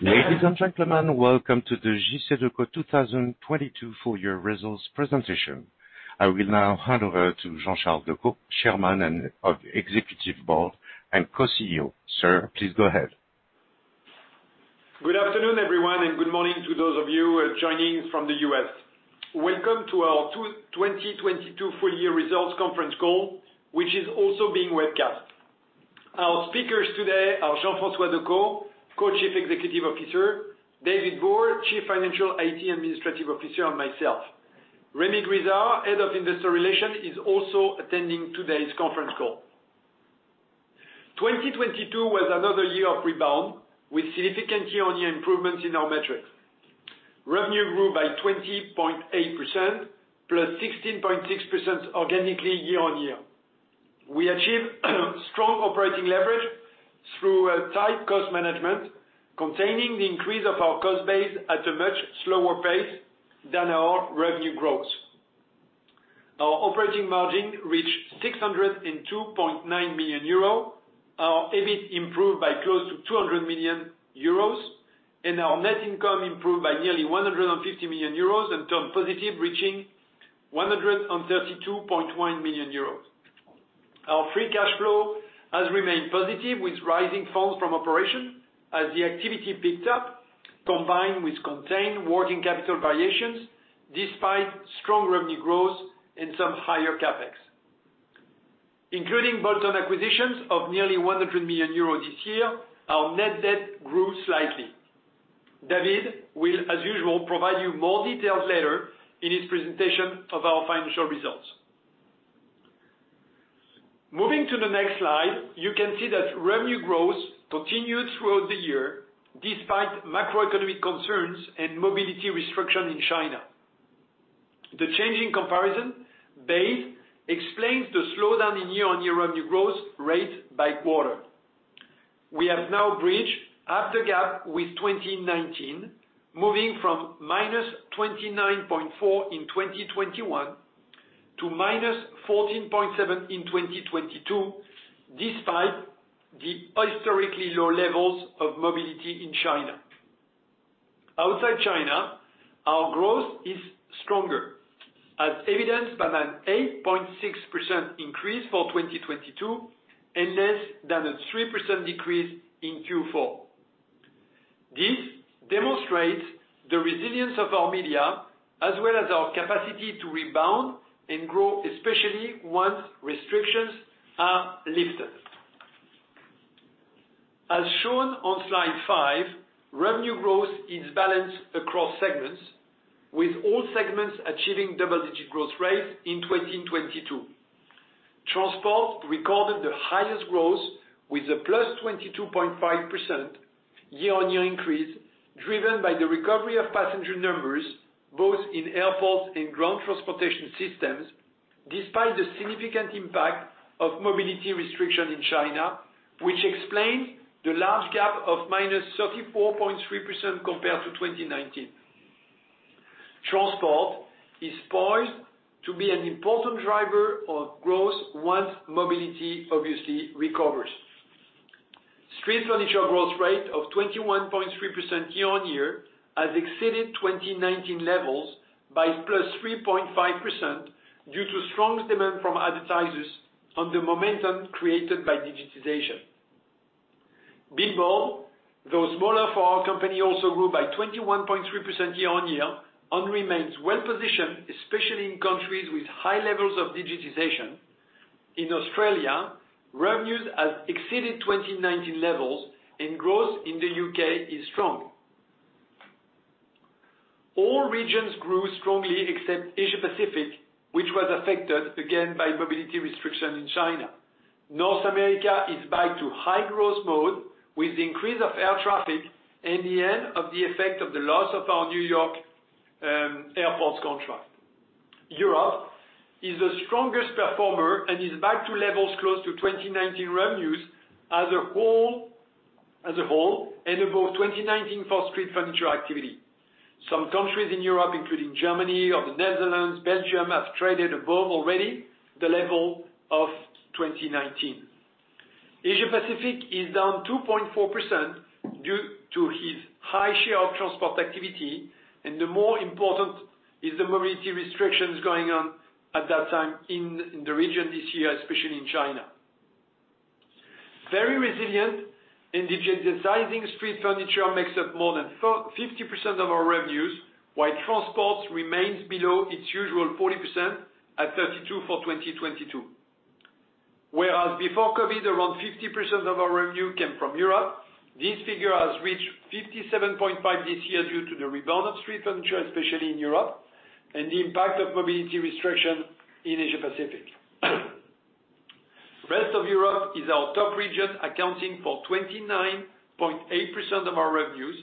Ladies and gentlemen, welcome to the JCDecaux 2022 full year results presentation. I will now hand over to Jean-Charles Decaux, Chairman of Executive Board and Co-CEO. Sir, please go ahead. Good afternoon, everyone, good morning to those of you joining from the U.S. Welcome to our 2022 full year results conference call, which is also being webcast. Our speakers today are Jean-François Decaux, Co-Chief Executive Officer, David Bourg, Group Chief Financial, IT and Administrative Officer, and myself. Rémi Grisard, Head of Investor Relations, is also attending today's conference call. 2022 was another year of rebound with significant year-on-year improvements in our metrics. Revenue grew by 20.8%, plus 16.6% organically year-on-year. We achieved strong operating leverage through a tight cost management, containing the increase of our cost base at a much slower pace than our revenue growth. Our operating margin reached 602.9 million euros. Our EBIT improved by close to 200 million euros, our net income improved by nearly 150 million euros and turned positive, reaching 132.1 million euros. Our free cash flow has remained positive with rising Funds From Operation as the activity picked up, combined with contained working capital variations despite strong revenue growth and some higher CapEx. Including bolt-on acquisitions of nearly 100 million euros this year, our net debt grew slightly. David will, as usual, provide you more details later in his presentation of our financial results. Moving to the next Slide, you can see that revenue growth continued throughout the year despite macroeconomic concerns and mobility restriction in China. The change in comparison base explains the slowdown in year-on-year revenue growth rate by quarter. We have now bridged half the gap with 2019, moving from -29.4% in 2021 to -14.7% in 2022, despite the historically low levels of mobility in China. Outside China, our growth is stronger, as evidenced by an 8.6% increase for 2022 and less than a 3% decrease in Q4. This demonstrates the resilience of our media as well as our capacity to rebound and grow, especially once restrictions are lifted. As shown on Slide five, revenue growth is balanced across segments, with all segments achieving double-digit growth rates in 2022. Transport recorded the highest growth with a +22.5% year-on-year increase, driven by the recovery of passenger numbers, both in airports and ground transportation systems, despite the significant impact of mobility restriction in China, which explains the large gap of -34.3% compared to 2019. Transport is poised to be an important driver of growth once mobility obviously recovers. Street Furniture growth rate of 21.3% year-on-year has exceeded 2019 levels by +3.5% due to strong demand from advertisers on the momentum created by digitization. Billboards, though smaller for our company, also grew by 21.3% year-on-year and remains well-positioned, especially in countries with high levels of digitization. In Australia, revenues have exceeded 2019 levels and growth in the U.K. is strong. All regions grew strongly except Asia-Pacific, which was affected again by mobility restriction in China. North America is back to high growth mode with the increase of air traffic and the end of the effect of the loss of our New York airports contract. Europe is the strongest performer and is back to levels close to 2019 revenues as a whole, and above 2019 for Street Furniture activity. Some countries in Europe, including Germany or the Netherlands, Belgium, have traded above already the level of 2019. Asia-Pacific is down 2.4% due to its high share of Transport activity, and the more important is the mobility restrictions going on at that time in the region this year, especially in China. Very resilient and digitizing Street Furniture makes up more than 50% of our revenues, while Transport remains below its usual 40% at 32% for 2022. Before COVID, around 50% of our revenue came from Europe. This figure has reached 57.5% this year due to the rebound of street furniture, especially in Europe, and the impact of mobility restriction in Asia-Pacific. Rest of Europe is our top region, accounting for 29.8% of our revenues.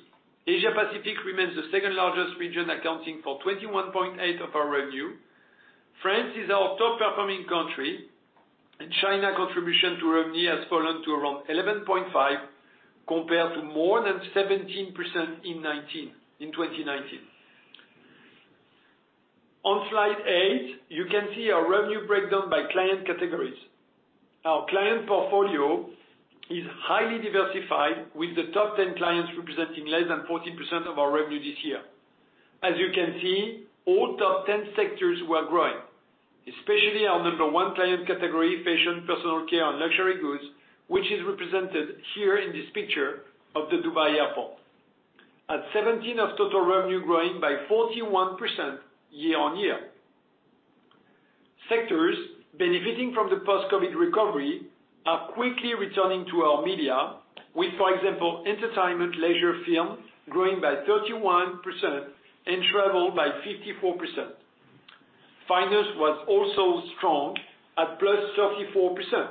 Asia-Pacific remains the second-largest region, accounting for 21.8% of our revenue. France is our top performing country, and China contribution to revenue has fallen to around 11.5%, compared to more than 17% in 2019. On Slide 8, you can see our revenue breakdown by client categories Our client portfolio is highly diversified, with the top 10 clients representing less than 40% of our revenue this year. As you can see, all top 10 sectors were growing, especially our number 1 client category, Fashion, Personal Care and Luxury Goods, which is represented here in this picture of the Dubai Airport. At 17% of total revenue growing by 41% year-on-year. Sectors benefiting from the post-COVID recovery are quickly returning to our media with, for example, entertainment, leisure, film growing by 31% and travel by 54%. Finance was also strong at +34%.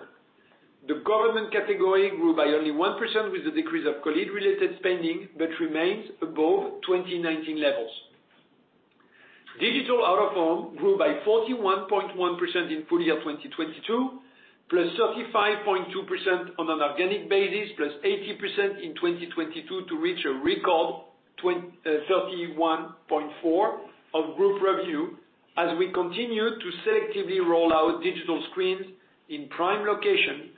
The government category grew by only 1% with the decrease of COVID-related spending, but remains above 2019 levels. Digital Out-of-Home grew by 41.1% in full year 2022, +35.2% on an organic basis, +80% in 2022 to reach a record 31.4% of group revenue as we continue to selectively roll out digital screens in prime location,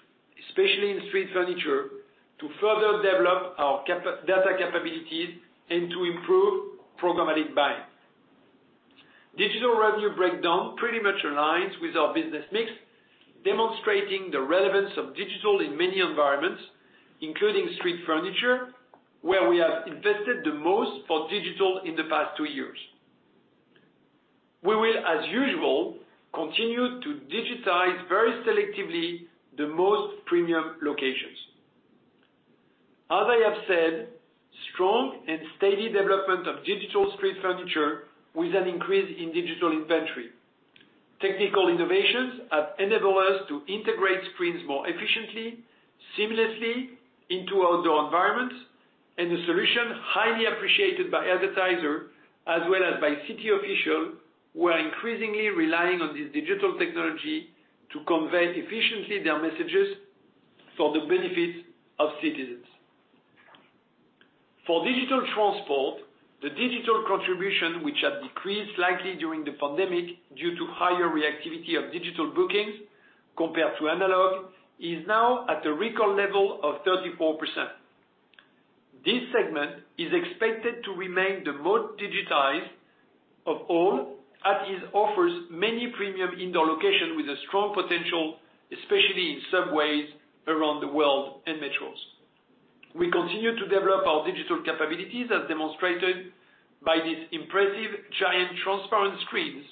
especially in Street Furniture, to further develop our data capabilities and to improve programmatic buying. Digital revenue breakdown pretty much aligns with our business mix, demonstrating the relevance of digital in many environments, including street furniture, where we have invested the most for digital in the past two years. We will, as usual, continue to digitize very selectively the most premium locations. As I have said, strong and steady development of digital Street Furniture with an increase in digital inventory. Technical innovations have enabled us to integrate screens more efficiently, seamlessly into outdoor environments, a solution highly appreciated by advertisers as well as by city officials, who are increasingly relying on this digital technology to convey efficiently their messages for the benefit of citizens. For Digital Transport, the digital contribution, which had decreased slightly during the pandemic due to higher reactivity of digital bookings compared to analog, is now at a record level of 34%. This segment is expected to remain the most digitized of all, as it offers many premium indoor locations with a strong potential, especially in subways around the world and metros. We continue to develop our digital capabilities as demonstrated by these impressive giant transparent screens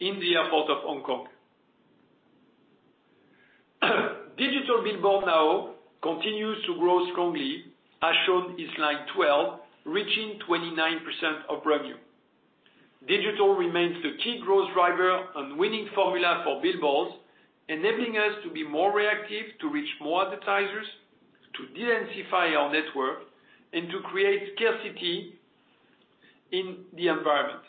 in the airport of Hong Kong. Digital Billboard now continues to grow strongly, as shown in Slide 12, reaching 29% of revenue. Digital remains the key growth driver and winning formula for Billboards, enabling us to be more reactive, to reach more advertisers, to densify our network, and to create scarcity in the environment.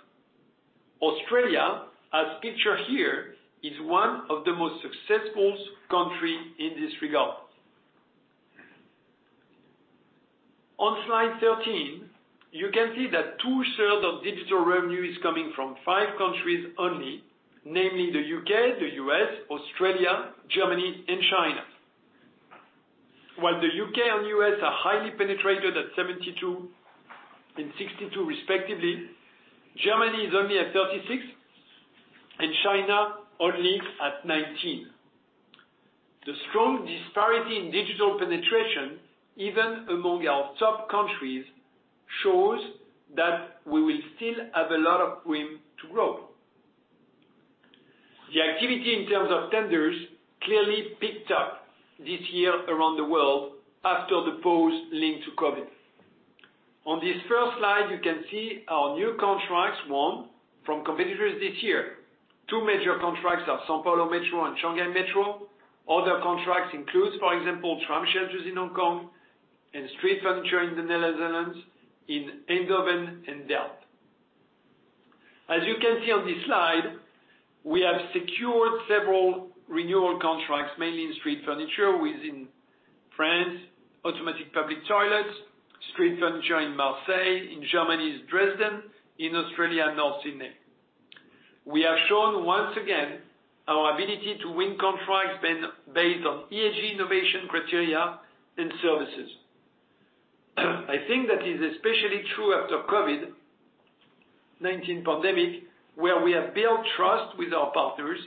Australia, as pictured here, is one of the most successful country in this regard. On Slide 13, you can see that 2/3 of digital revenue is coming from 5 countries only, namely the U.K., the U.S., Australia, Germany and China. The U.K. and U.S. are highly penetrated at 72% and 62% respectively, Germany is only at 36% and China only at 19%. The strong disparity in digital penetration, even among our top countries, shows that we will still have a lot of room to grow. The activity in terms of tenders clearly picked up this year around the world after the pause linked to COVID. On this first slide, you can see our new contracts won from competitors this year. Two major contracts are São Paulo Metro and Shanghai Metro. Other contracts includes, for example, tram shelters in Hong Kong and Street Furniture in the Netherlands, in Eindhoven and Delft. As you can see on this Slide, we have secured several renewal contracts, mainly in Street Furniture within France, automatic public toilets, Street Furniture in Marseille, in Germany's Dresden, in Australia, North Sydney. We have shown once again our ability to win contracts based on ESG innovation criteria and services. I think that is especially true after COVID-19 pandemic, where we have built trust with our partners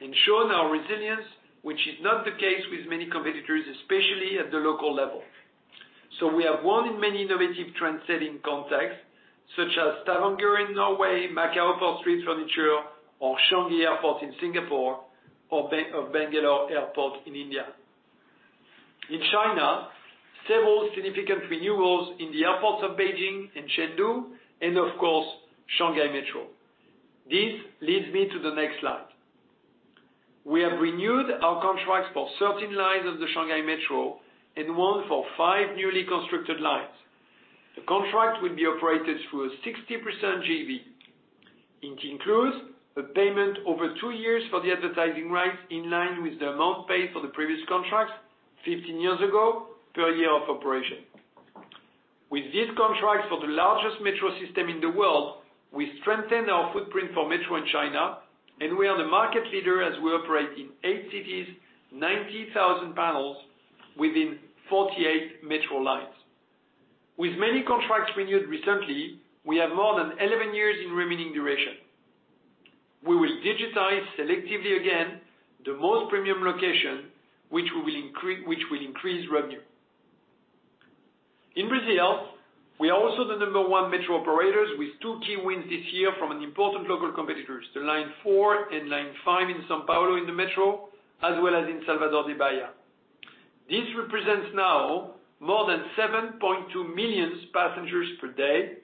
and shown our resilience, which is not the case with many competitors, especially at the local level. We have won in many innovative trendsetting contexts such as Stavanger in Norway, Macao for Street Furniture or Changi Airport in Singapore or Bangalore Airport in India. In China, several significant renewals in the airports of Beijing and Chengdu and, of course, Shanghai Metro. This leads me to the next slide. We have renewed our contracts for certain lines of the Shanghai Metro and won for 5 newly constructed lines. The contract will be operated through a 60% JV. It includes a payment over 2 years for the advertising rights in line with the amount paid for the previous contracts 15 years ago per year of operation. With these contracts for the largest metro system in the world, we strengthen our footprint for metro in China, and we are the market leader as we operate in 8 cities, 90,000 panels within 48 metro lines. With many contracts renewed recently, we have more than 11 years in remaining duration. We will digitize selectively again the most premium location, which will increase revenue. In Brazil, we are also the number 1 metro operators with 2 key wins this year from an important local competitors, the Line 4 and Line 5 in São Paulo Metro, as well as in Salvador de Bahia. This represents now more than 7.2 million passengers per day,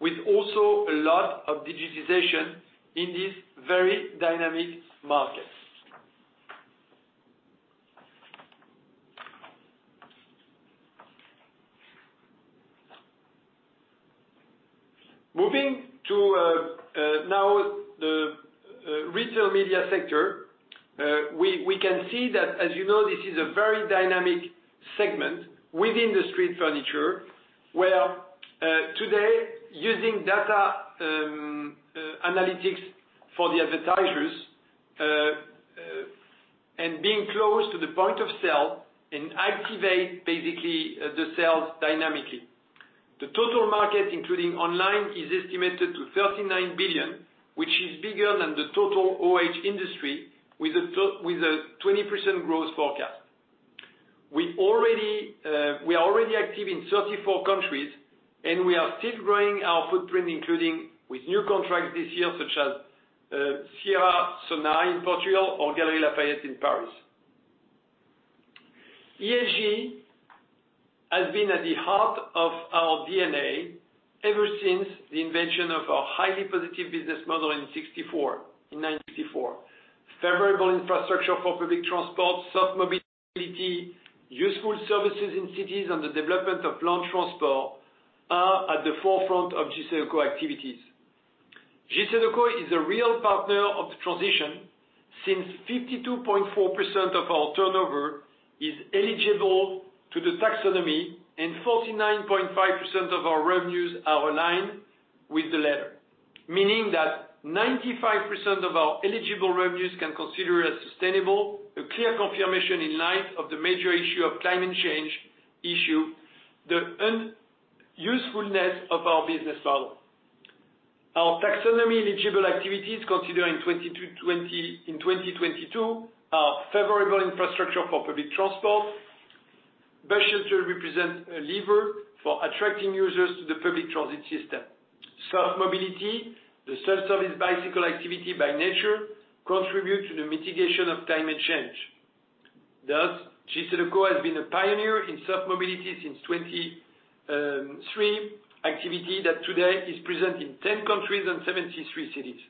with also a lot of digitization in this very dynamic market. Moving to now the Retail Media sector, we can see that as you know, this is a very dynamic segment within the Street Furniture, where today using data analytics for the advertisers, and being close to the point of sale and activate basically the sales dynamically. The total market, including online, is estimated to 39 billion, which is bigger than the total OOH industry with a 20% growth forecast. We are already active in 34 countries. We are still growing our footprint including with new contracts this year, such as Sonae Sierra in Portugal, or Galeries Lafayette in Paris. ESG has been at the heart of our DNA ever since the invention of our highly positive business model in 1994. Favorable infrastructure for public transport, soft mobility, useful services in cities and the development of land transport are at the forefront of JCDecaux activities. JCDecaux is a real partner of the transition since 52.4% of our turnover is eligible to the taxonomy and 49.5% of our revenues are aligned with the latter. Meaning that 95% of our eligible revenues can consider as sustainable, a clear confirmation in light of the major issue of climate change issue, the un-usefulness of our business model. Our EU Taxonomy eligible activities in 2022 are favorable infrastructure for public transport. Bus shelter represent a lever for attracting users to the public transit system. Soft mobility, the self-service bicycle activity by nature contribute to the mitigation of climate change. JCDecaux has been a pioneer in soft mobility since 2003, activity that today is present in 10 countries and 73 cities.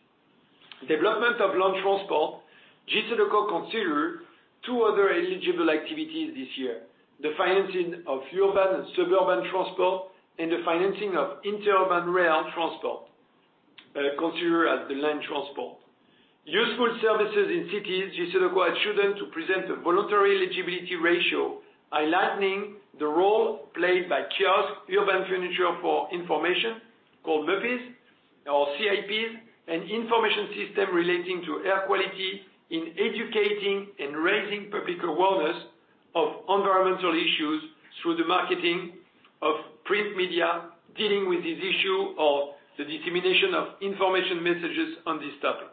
Development of land transport, JCDecaux consider 2 other eligible activities this year, the financing of urban and suburban transport and the financing of inter-urban rail transport, considered as the land transport. Useful services in cities, JCDecaux has chosen to present a voluntary eligibility ratio, highlighting the role played by kiosk urban furniture for information called MUPIs or CIPs, an information system relating to air quality in educating and raising public awareness of environmental issues through the marketing of print media, dealing with this issue or the dissemination of information messages on this topic.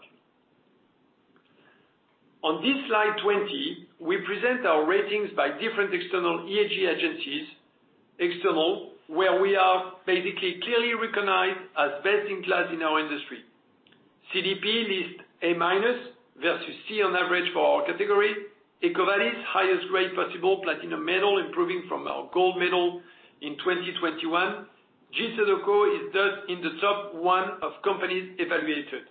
On this Slide 20, we present our ratings by different external ESG agencies, where we are basically clearly recognized as best in class in our industry. CDP lists A- versus C on average for our category. EcoVadis, highest grade possible Platinum Medal, improving from our Gold medal in 2021. JCDecaux is thus in the top 1 of companies evaluated.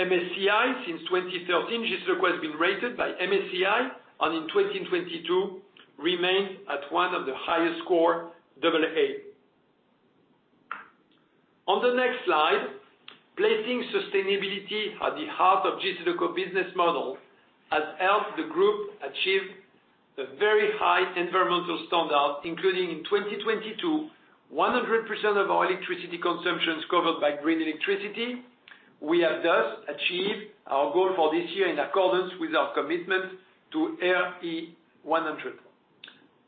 MSCI, since 2013, JCDecaux has been rated by MSCI, and in 2022 remains at one of the highest score, AA. On the next slide, placing sustainability at the heart of JCDecaux business model has helped the group achieve a very high environmental standard, including in 2022, 100% of our electricity consumption is covered by green electricity. We have thus achieved our goal for this year in accordance with our commitment to RE100.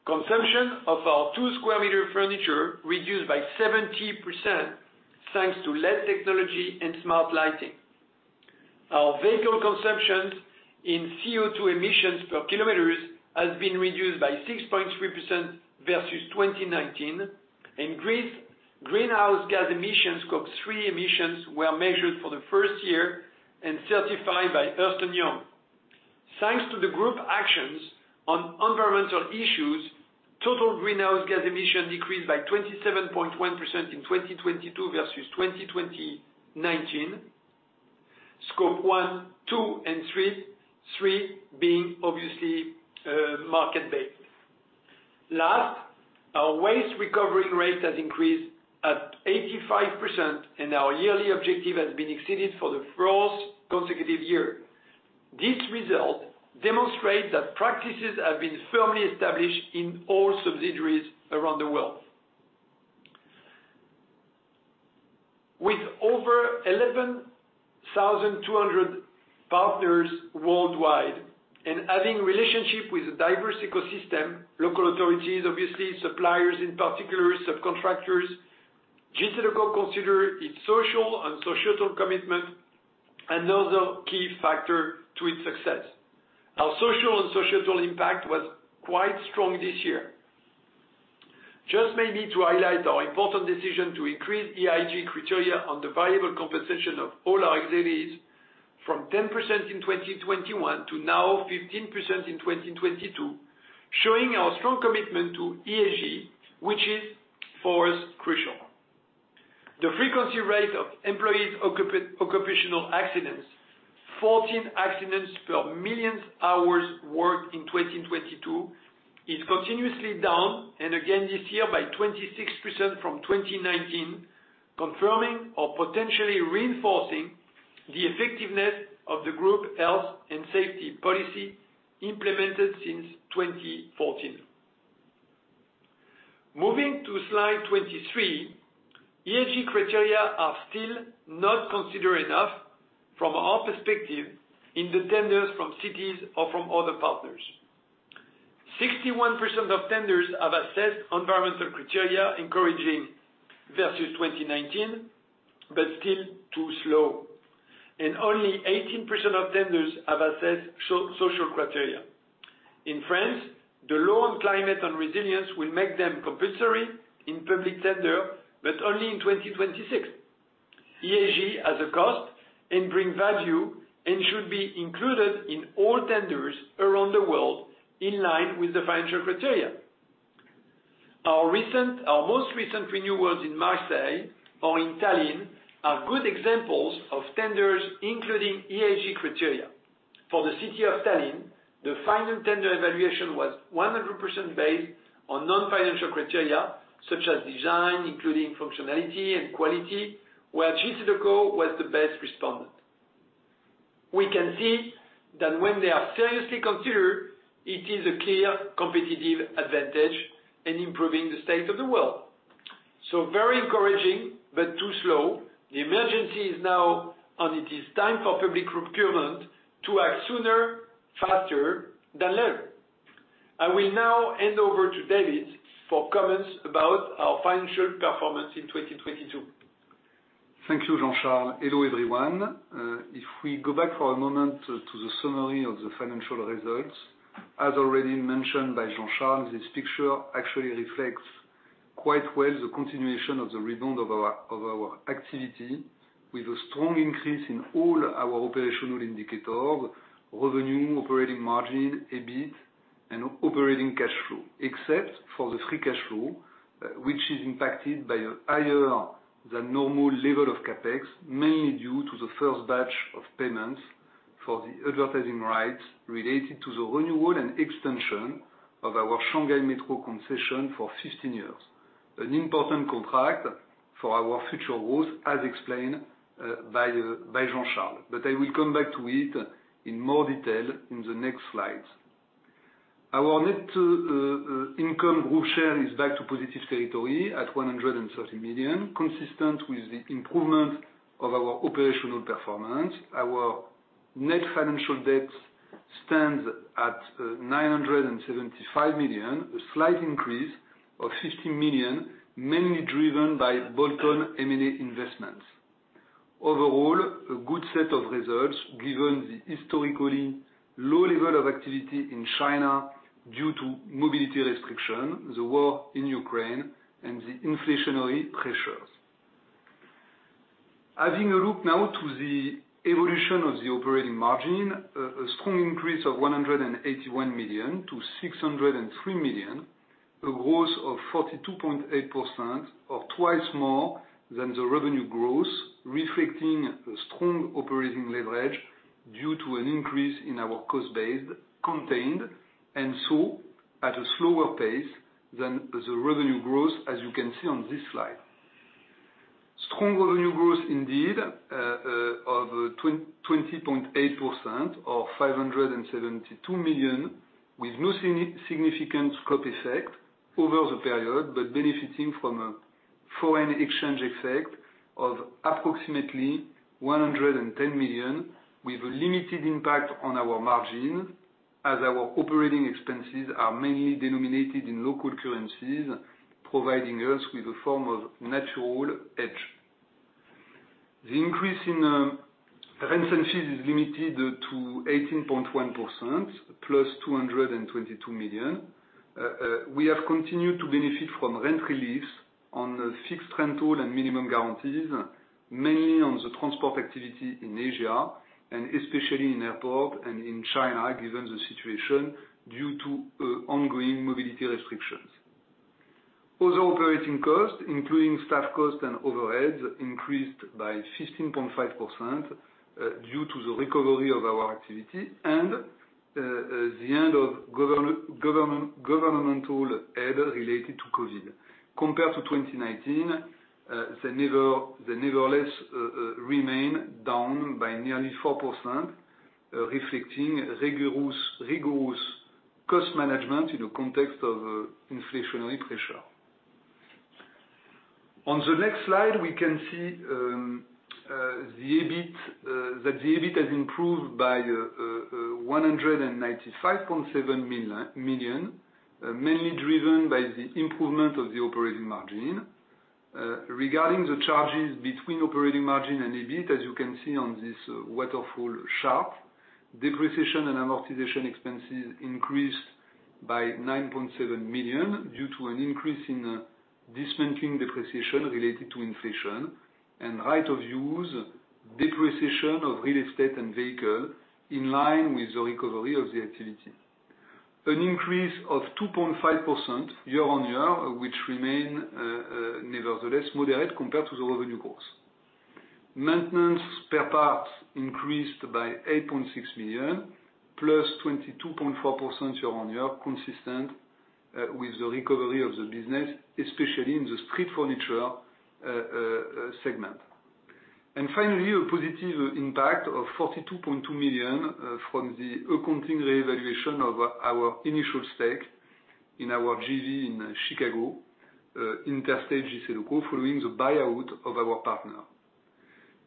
Consumption of our 2-square-meter furniture reduced by 70% thanks to LED technology and smart lighting. Our vehicle consumption in CO₂ emissions per kilometers has been reduced by 6.3% versus 2019 and greenhouse gas emissions, Scope 3 emissions, were measured for the first year and certified by Ernst & Young. Thanks to the group actions on environmental issues, total greenhouse gas emission decreased by 27.1% in 2022 versus 2019. Scope 1, 2, and 3 being obviously, market-based. Last, our waste recovery rate has increased at 85%. Our yearly objective has been exceeded for the 4th consecutive year. This result demonstrates that practices have been firmly established in all subsidiaries around the world. With over 11,200 partners worldwide and having relationship with a diverse ecosystem, local authorities, obviously suppliers, in particular subcontractors, JCDecaux consider its social and societal commitment another key factor to its success. Our social and societal impact was quite strong this year. Just may need to highlight our important decision to increase ESG criteria on the variable compensation of all our subsidiaries from 10% in 2021 to now 15% in 2022, showing our strong commitment to ESG, which is for us, crucial. The frequency rate of employees occupational accidents, 14 accidents per million hours worked in 2022, is continuously down and again this year by 26% from 2019, confirming or potentially reinforcing the effectiveness of the group health and safety policy implemented since 2014. Moving to Slide 23, ESG criteria are still not considered enough from our perspective in the tenders from cities or from other partners. 61% of tenders have assessed environmental criteria encouraging versus 2019, still too slow. Only 18% of tenders have assessed social criteria. In France, the Law on Climate and Resilience will make them compulsory in public tender, only in 2026. ESG has a cost and bring value and should be included in all tenders around the world in line with the financial criteria. Our most recent renewals in Marseille or in Tallinn are good examples of tenders, including ESG criteria. For the city of Tallinn, the final tender evaluation was 100% based on non-financial criteria such as design, including functionality and quality, where JCDecaux was the best respondent. We can see that when they are seriously considered, it is a clear competitive advantage in improving the state of the world. Very encouraging, but too slow. The emergency is now on. It is time for public procurement to act sooner, faster than later. I will now hand over to David for comments about our financial performance in 2022. Thank you, Jean-Charles. Hello, everyone. If we go back for a moment to the summary of the financial results, as already mentioned by Jean-Charles, this picture actually reflects quite well the continuation of the rebound of our activity with a strong increase in all our operational indicators, revenue, operating margin, EBIT and operating cash flow. Except for the Free Cash Flow, which is impacted by a higher than normal level of CapEx, mainly due to the first batch of payments for the advertising rights related to the renewal and extension of our Shanghai Metro concession for 15 years. An important contract for our future growth, as explained by Jean-Charles. I will come back to it in more detail in the next slides. Our Net Income Group Share is back to positive territory at 130 million, consistent with the improvement of our operational performance. Our Net Financial Debt stands at 975 million, a slight increase of 50 million, mainly driven by bolt-on M&A investments. Overall, a good set of results given the historically low level of activity in China due to mobility restriction, the war in Ukraine and the inflationary pressures. Having a look now to the evolution of the Operating Margin, a strong increase of 181 million to 603 million, a growth of 42.8% or twice more than the revenue growth, reflecting a strong operating leverage due to an increase in our cost base contained, and so at a slower pace than the revenue growth, as you can see on this slide. Strong revenue growth indeed, of 20.8% or 572 million, with no significant scope effect over the period, but benefiting from a foreign exchange effect of approximately 110 million, with a limited impact on our margin as our operating expenses are mainly denominated in local currencies, providing us with a form of natural hedge. The increase in rent and fees is limited to 18.1%, plus 222 million. We have continued to benefit from rent reliefs on fixed rent pool and minimum guarantees, mainly on the transport activity in Asia and especially in airport and in China, given the situation due to ongoing mobility restrictions. Other operating costs, including staff costs and overheads, increased by 15.5% due to the recovery of our activity. The end of governmental aid related to COVID. Compared to 2019, they nevertheless remain down by nearly 4%, reflecting rigorous cost management in the context of inflationary pressure. On the next slide, we can see the EBIT that the EBIT has improved by 195.7 million, mainly driven by the improvement of the operating margin. Regarding the charges between operating margin and EBIT, as you can see on this waterfall chart, depreciation and amortization expenses increased by 9.7 million due to an increase in dismantling depreciation related to inflation and right-of-use depreciation of real estate and vehicle in line with the recovery of the activity. An increase of 2.5% year-over-year, which remain nevertheless moderate compared to the revenue growth. Maintenance spare parts increased by EUR 8.6 million +22.4% year-over-year, consistent with the recovery of the business, especially in the Street Furniture segment. Finally, a positive impact of 42.2 million from the accounting reevaluation of our initial stake in our JV in Chicago, Interstate JCDecaux, following the buyout of our partner.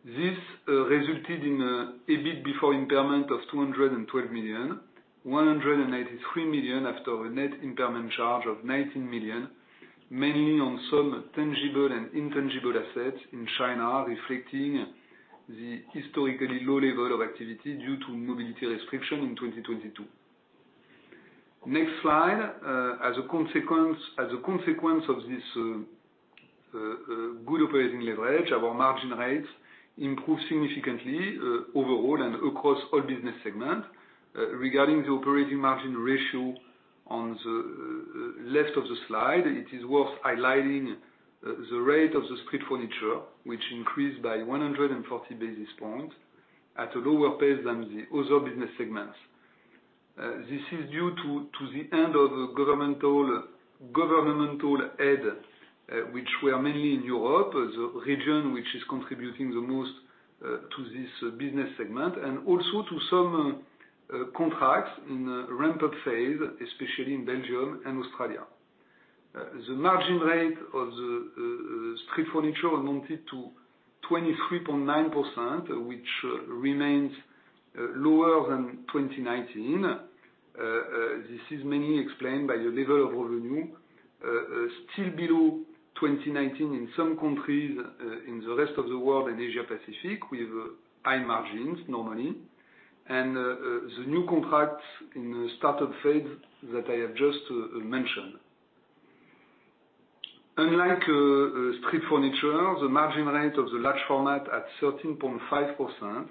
This resulted in a EBIT before impairment of 212 million, 183 million after a net impairment charge of 19 million, mainly on some tangible and intangible assets in China, reflecting the historically low level of activity due to mobility restriction in 2022. Next slide. As a consequence of this good operating leverage, our margin rates improved significantly overall and across all business segments. Regarding the operating margin ratio on the left of the Slide, it is worth highlighting the rate of the Street Furniture, which increased by 140 basis points at a lower pace than the other business segments. This is due to the end of governmental aid, which were mainly in Europe, the region which is contributing the most to this business segment, and also to some contracts in a ramp-up phase, especially in Belgium and Australia. The margin rate of the Street Furniture amounted to 23.9%, which remains lower than 2019. This is mainly explained by the level of revenue still below 2019 in some countries, in the Rest of the World and Asia-Pacific, with high margins normally, and the new contracts in the start-up phase that I have just mentioned. Unlike Street Furniture, the margin rate of the large format at 13.5%,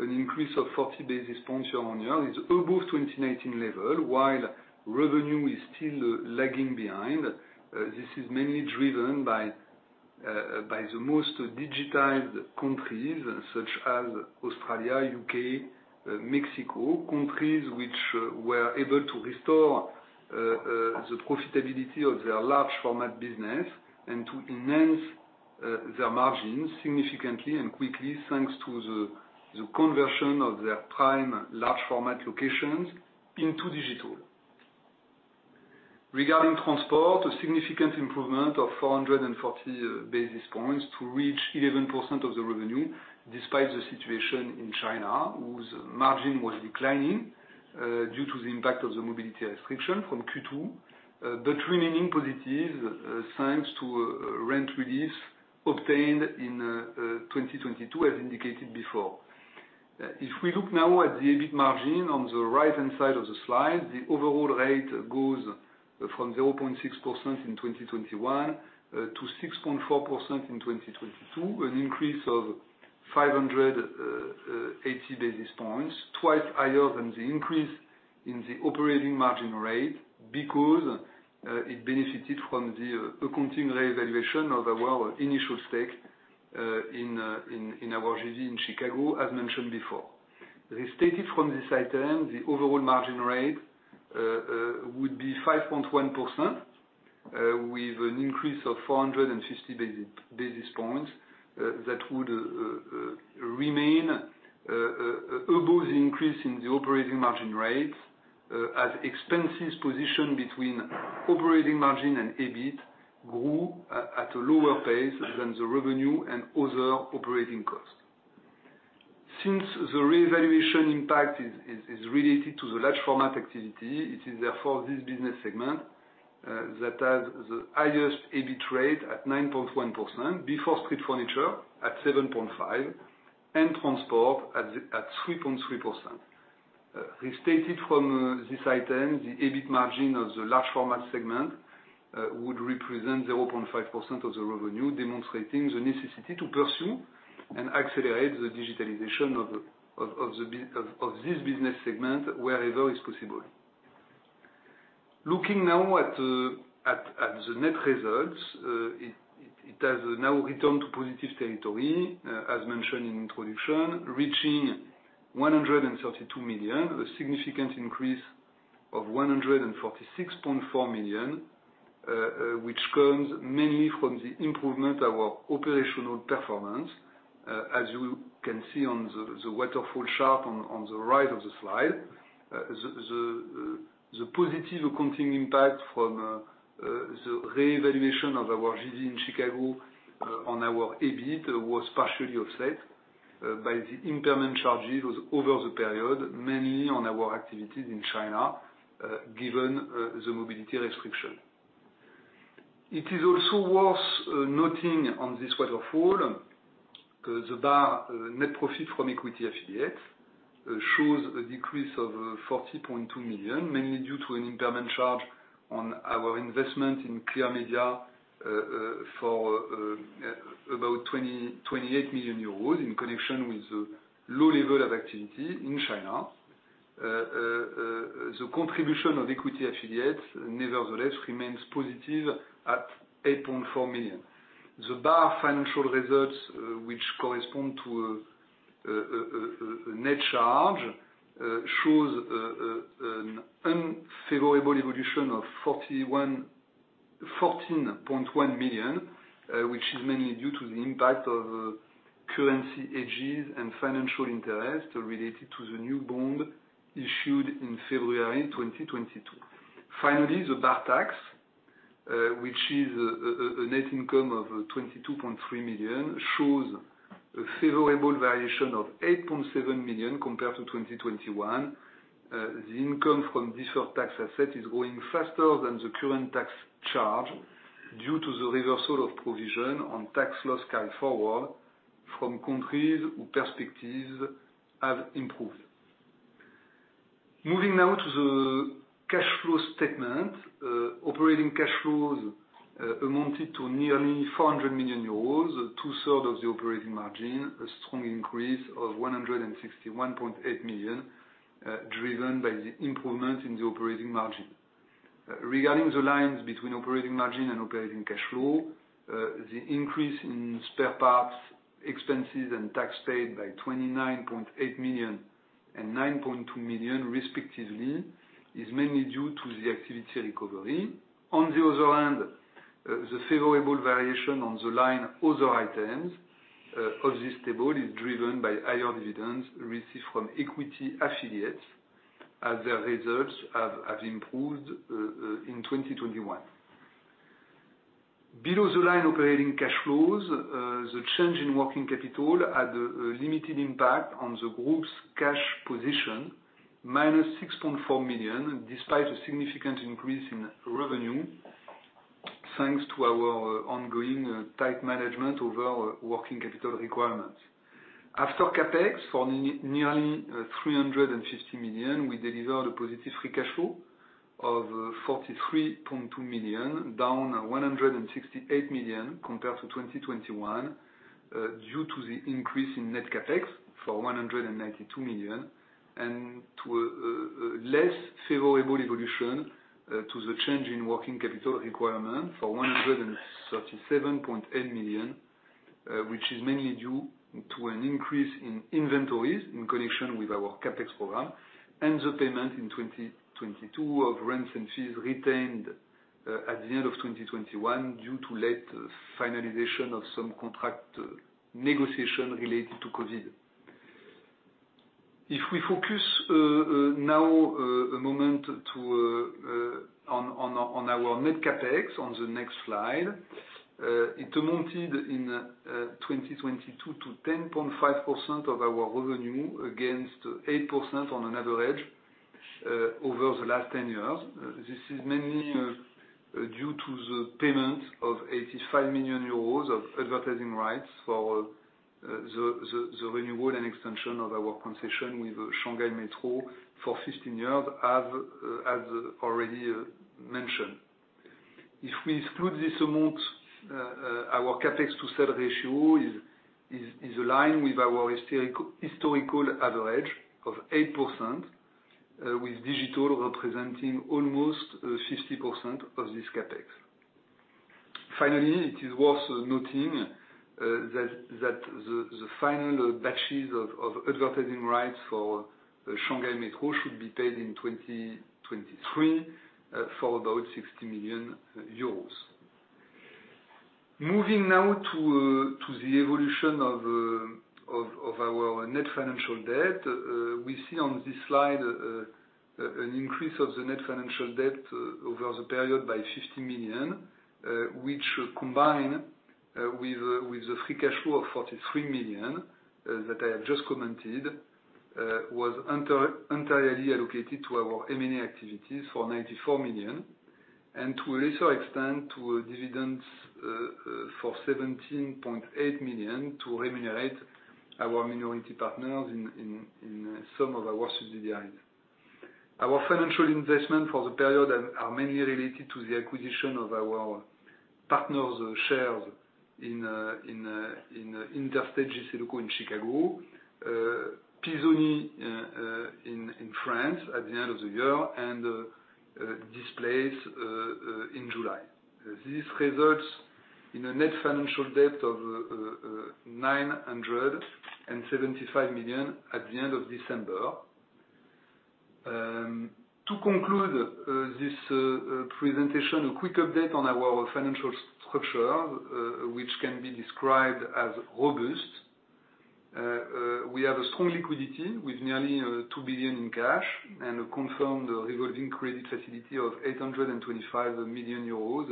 an increase of 40 basis points year-on-year is above 2019 level, while revenue is still lagging behind. This is mainly driven by the most digitized countries, such as Australia, UK, Mexico, countries which were able to restore the profitability of their large format business and to enhance their margins significantly and quickly thanks to the conversion of their prime large format locations into Digital. Regarding transport, a significant improvement of 440 basis points to reach 11% of the revenue, despite the situation in China, whose margin was declining due to the impact of the mobility restriction from Q2, but remaining positive thanks to rent release obtained in 2022 as indicated before. If we look now at the EBIT margin on the right-hand side of the Slide, the overall rate goes from 0.6% in 2021 to 6.4% in 2022, an increase of 580 basis points, twice higher than the increase in the operating margin rate because it benefited from the accounting reevaluation of our initial stake in our JV in Chicago, as mentioned before. Restated from this item, the overall margin rate would be 5.1%, with an increase of 450 basis points, that would remain above the increase in the operating margin rate, as expenses positioned between operating margin and EBIT grew at a lower pace than the revenue and other operating costs. Since the reevaluation impact is related to the large format activity, it is therefore this business segment that has the highest EBIT rate at 9.1% before Street Furniture at 7.5% and transport at 3.3%. Restated from this item, the EBIT margin of the large format segment would represent 0.5% of the revenue, demonstrating the necessity to pursue and accelerate the digitalization of this business segment wherever is possible. Looking now at the net results, it has now returned to positive territory, as mentioned in introduction, reaching 132 million, a significant increase of 146.4 million, which comes mainly from the improvement of our operational performance. As you can see on the waterfall chart on the right of the Slide, the positive accounting impact from the revaluation of our JV in Chicago on our EBIT was partially offset by the impairment charges over the period, mainly on our activities in China, given the mobility restriction. It is also worth noting on this waterfall, the bar Net profit from equity affiliates shows a decrease of 40.2 million, mainly due to an impairment charge on our investment in Clear Media for about 28 million euros in connection with the low level of activity in China. The contribution of equity affiliates nevertheless remains positive at 8.4 million. The bar Financial Results, which correspond to a net charge, shows an unfavorable evolution of 14.1 million, which is mainly due to the impact of currency hedges and financial interest related to the new bond issued in February 2022. Finally, the bar tax, which is a net income of 22.3 million, shows a favorable variation of 8.7 million compared to 2021. The income from deferred tax asset is growing faster than the current tax charge due to the reversal of provision on tax loss carried forward from countries whose perspectives have improved. Moving now to the cash flow statement. Operating Cash Flows amounted to nearly 400 million euros, two-third of the operating margin, a strong increase of 161.8 million, driven by the improvement in the operating margin. Regarding the lines between operating margin and operating cash flow, the increase in spare parts, expenses, and tax paid by 29.8 million and 9.2 million respectively is mainly due to the activity recovery. On the other hand, the favorable variation on the line Other items of this table is driven by higher dividends received from equity affiliates as their results have improved in 2021. Below the line operating cash flows, the change in working capital had a limited impact on the group's cash position, minus 6.4 million, despite a significant increase in revenue, thanks to our ongoing, tight management over working capital requirements. After CapEx for nearly 350 million, we delivered a positive Free Cash Flow of 43.2 million, down 168 million compared to 2021, due to the increase in net CapEx for 192 million and to a less favorable evolution to the change in Working Capital Requirement for 137.8 million, which is mainly due to an increase in inventories in connection with our CapEx program and the payment in 2022 of rents and fees retained at the end of 2021 due to late finalization of some contract negotiation related to COVID. If we focus now a moment on our net CapEx on the next Slide, it amounted in 2022 to 10.5% of our revenue against 8% on an average over the last 10 years. This is mainly due to the payment of 85 million euros of advertising rights for the renewal and extension of our concession with Shanghai Metro for 15 years, as already mentioned. If we exclude this amount, our CapEx to sales ratio is aligned with our historical average of 8%, with digital representing almost 50% of this CapEx. Finally, it is worth noting that the final batches of advertising rights for Shanghai Metro should be paid in 2023 for about 60 million euros. Moving now to the evolution of our net financial debt. We see on this Slide an increase of the net financial debt over the period by 50 million, which combined with the Free Cash Flow of 43 million that I have just commented, was entirely allocated to our M&A activities for 94 million and to a lesser extent to dividends for 17.8 million to remunerate our minority partners in some of our subsidiaries. Our financial investment for the period are mainly related to the acquisition of our partners shares in Interstate JCDecaux in Chicago. Pisoni in France at the end of the year, and Displayce in July. This results in a net financial debt of 975 million at the end of December. To conclude this presentation, a quick update on our financial structure, which can be described as robust. We have a strong liquidity with nearly 2 billion in cash and a confirmed revolving credit facility of 825 million euros,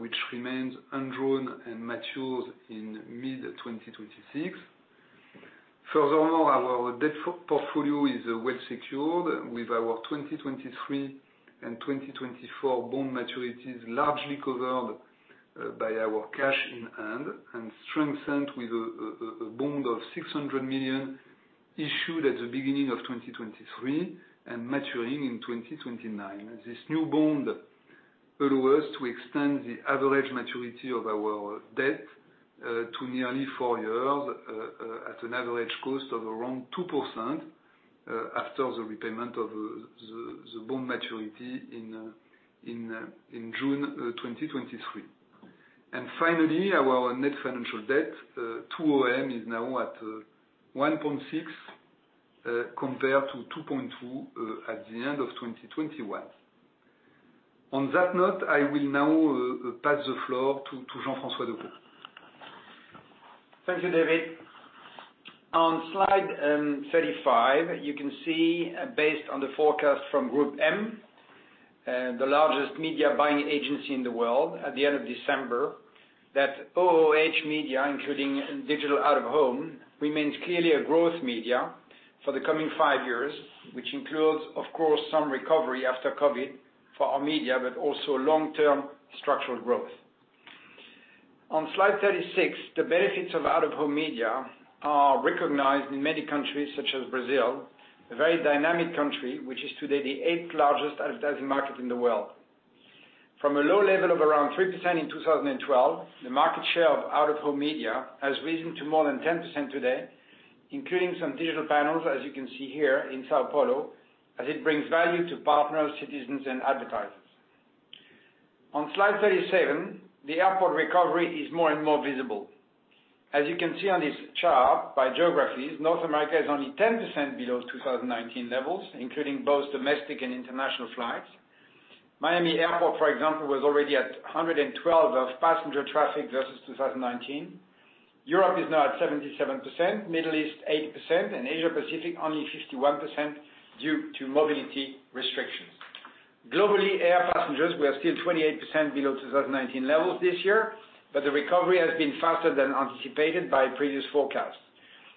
which remains undrawn and matures in mid-2026. Furthermore, our debt portfolio is well-secured with our 2023 and 2024 bond maturities largely covered by our cash in hand and strengthened with a bond of 600 million issued at the beginning of 2023 and maturing in 2029. This new bond allows to extend the average maturity of our debt, to nearly 4 years, at an average cost of around 2%, after the repayment of the bond maturity in June 2023. Finally, our net financial debt to OM is now at 1.6, compared to 2.2, at the end of 2021. On that note, I will now pass the floor to Jean-François Decaux. Thank you, David. On Slide 35, you can see, based on the forecast from GroupM, the largest media buying agency in the world at the end of December, that OOH media, including digital out-of-home, remains clearly a growth media for the coming five years, which includes, of course, some recovery after COVID for our media, but also long-term structural growth. On Slide 36, the benefits of out-of-home media are recognized in many countries such as Brazil, a very dynamic country which is today the eighth largest advertising market in the world. From a low level of around 3% in 2012, the market share of out-of-home media has risen to more than 10% today, including some digital panels, as you can see here in São Paulo, as it brings value to partners, citizens and advertisers. On Slide 37, the airport recovery is more and more visible. As you can see on this chart by geographies, North America is only 10% below 2019 levels, including both domestic and international flights. Miami Airport, for example, was already at 112 of passenger traffic versus 2019. Europe is now at 77%, Middle East 8%, and Asia Pacific only 51% due to mobility restrictions. Globally, air passengers were still 28% below 2019 levels this year, but the recovery has been faster than anticipated by previous forecasts.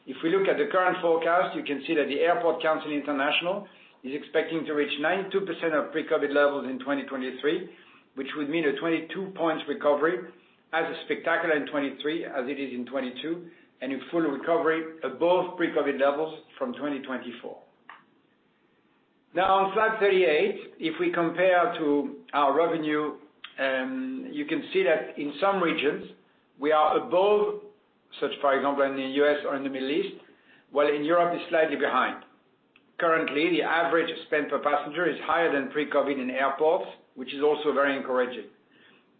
If we look at the current forecast, you can see that the Airports Council International is expecting to reach 92% of pre-COVID levels in 2023, which would mean a 22 points recovery as spectacular in 23 as it is in 22, and a full recovery above pre-COVID levels from 2024. Now on Slide 38, if we compare to our revenue, you can see that in some regions we are above, such for example, in the U.S. or in the Middle East, while in Europe it's slightly behind. Currently, the average spend per passenger is higher than pre-COVID in airports, which is also very encouraging.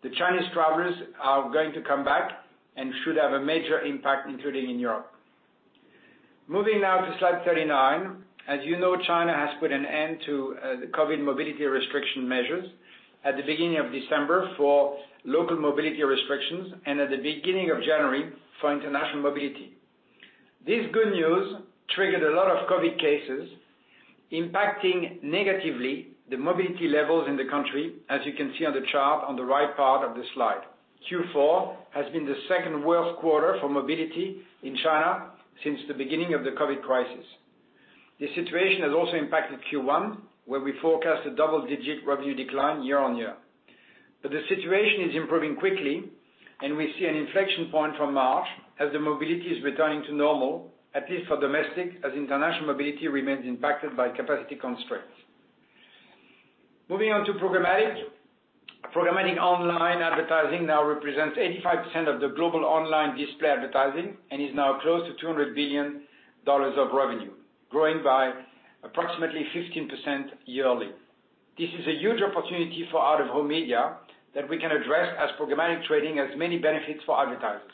The Chinese travelers are going to come back and should have a major impact, including in Europe. Moving now to Slide 39. As you know, China has put an end to the COVID mobility restriction measures at the beginning of December for local mobility restrictions and at the beginning of January for international mobility. This good news triggered a lot of COVID cases, impacting negatively the mobility levels in the country, as you can see on the chart on the right part of the Slide. Q4 has been the second worst quarter for mobility in China since the beginning of the COVID crisis. This situation has also impacted Q1, where we forecast a double-digit revenue decline year-on-year. The situation is improving quickly, and we see an inflection point from March as the mobility is returning to normal, at least for domestic, as international mobility remains impacted by capacity constraints. Moving on to programmatic. Programmatic online advertising now represents 85% of the global online display advertising and is now close to $200 billion of revenue, growing by approximately 15% yearly. This is a huge opportunity for out-of-home media that we can address as programmatic trading has many benefits for advertisers.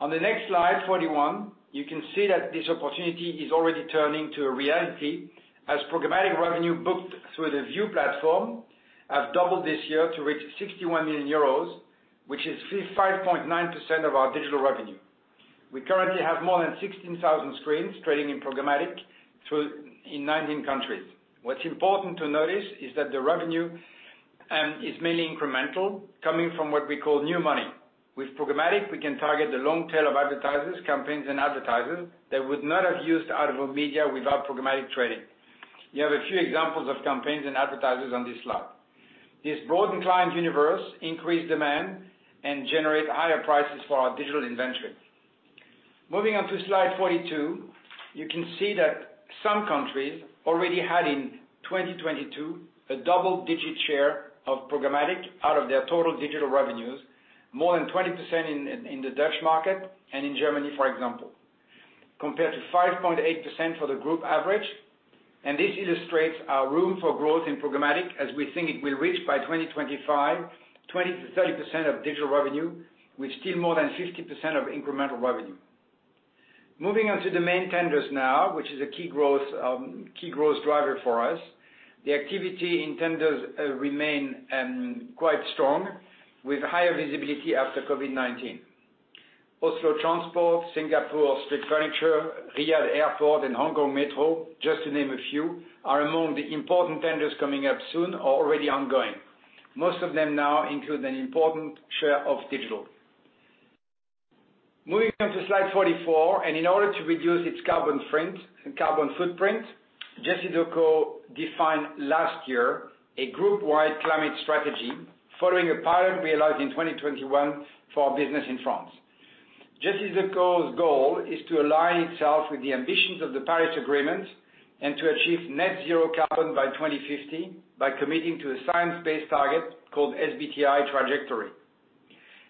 On the next Slide, 41, you can see that this opportunity is already turning to a reality as programmatic revenue booked through the VIOOH platform have doubled this year to reach 61 million euros, which is 5.9% of our digital revenue. We currently have more than 16,000 screens trading in programmatic through in 19 countries. What's important to notice is that the revenue is mainly incremental, coming from what we call new money. With programmatic, we can target the long tail of advertisers, campaigns and advertisers that would not have used out-of-home media without programmatic trading. You have a few examples of campaigns and advertisers on this Slide. This broaden client universe increase demand and generate higher prices for our digital inventory. Moving on to Slide 42, you can see that some countries already had in 2022 a double-digit share of programmatic out of their total digital revenues, more than 20% in the Dutch market and in Germany, for example. Compared to 5.8% for the group average. This illustrates our room for growth in programmatic as we think it will reach by 2025, 20%-30% of digital revenue, with still more than 50% of incremental revenue. Moving on to the main tenders now, which is a key growth, key growth driver for us. The activity in tenders, remain quite strong with higher visibility after COVID-19. Oslo Transport, Singapore Street Furniture, Riyadh Airport and Hong Kong Metro, just to name a few, are among the important tenders coming up soon or already ongoing. Most of them now include an important share of digital. Moving on to Slide 44, in order to reduce its carbon footprint, JCDecaux defined last year a group wide climate strategy following a pilot realized in 2021 for our business in France. JCDecaux's goal is to align itself with the ambitions of the Paris Agreement and to achieve net zero carbon by 2050 by committing to a science-based target called SBTI trajectory.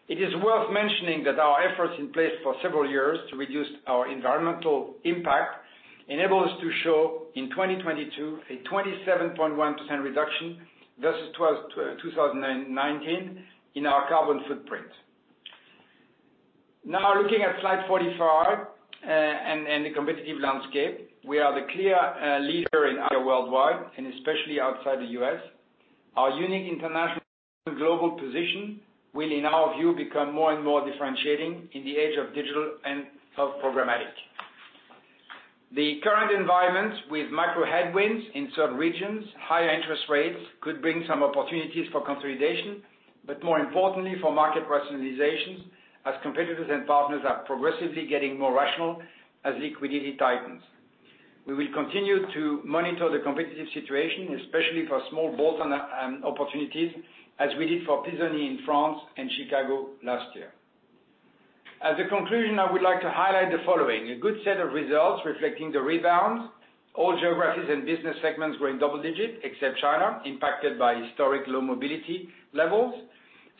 It is worth mentioning that our efforts in place for several years to reduce our environmental impact enable us to show in 2022 a 27.1% reduction versus 2019 in our carbon footprint. Looking at Slide 45, and the competitive landscape, we are the clear leader in out-of-home worldwide and especially outside the U.S. Our unique international global position will, in our view, become more and more differentiating in the age of digital and of programmatic. The current environment with macro headwinds in certain regions, higher interest rates, could bring some opportunities for consolidation, but more importantly for market rationalizations as competitors and partners are progressively getting more rational as liquidity tightens. We will continue to monitor the competitive situation, especially for small bolt-on opportunities, as we did for Pisoni in France and Chicago last year. As a conclusion, I would like to highlight the following: a good set of results reflecting the rebounds. All geographies and business segments growing double-digit, except China, impacted by historic low mobility levels.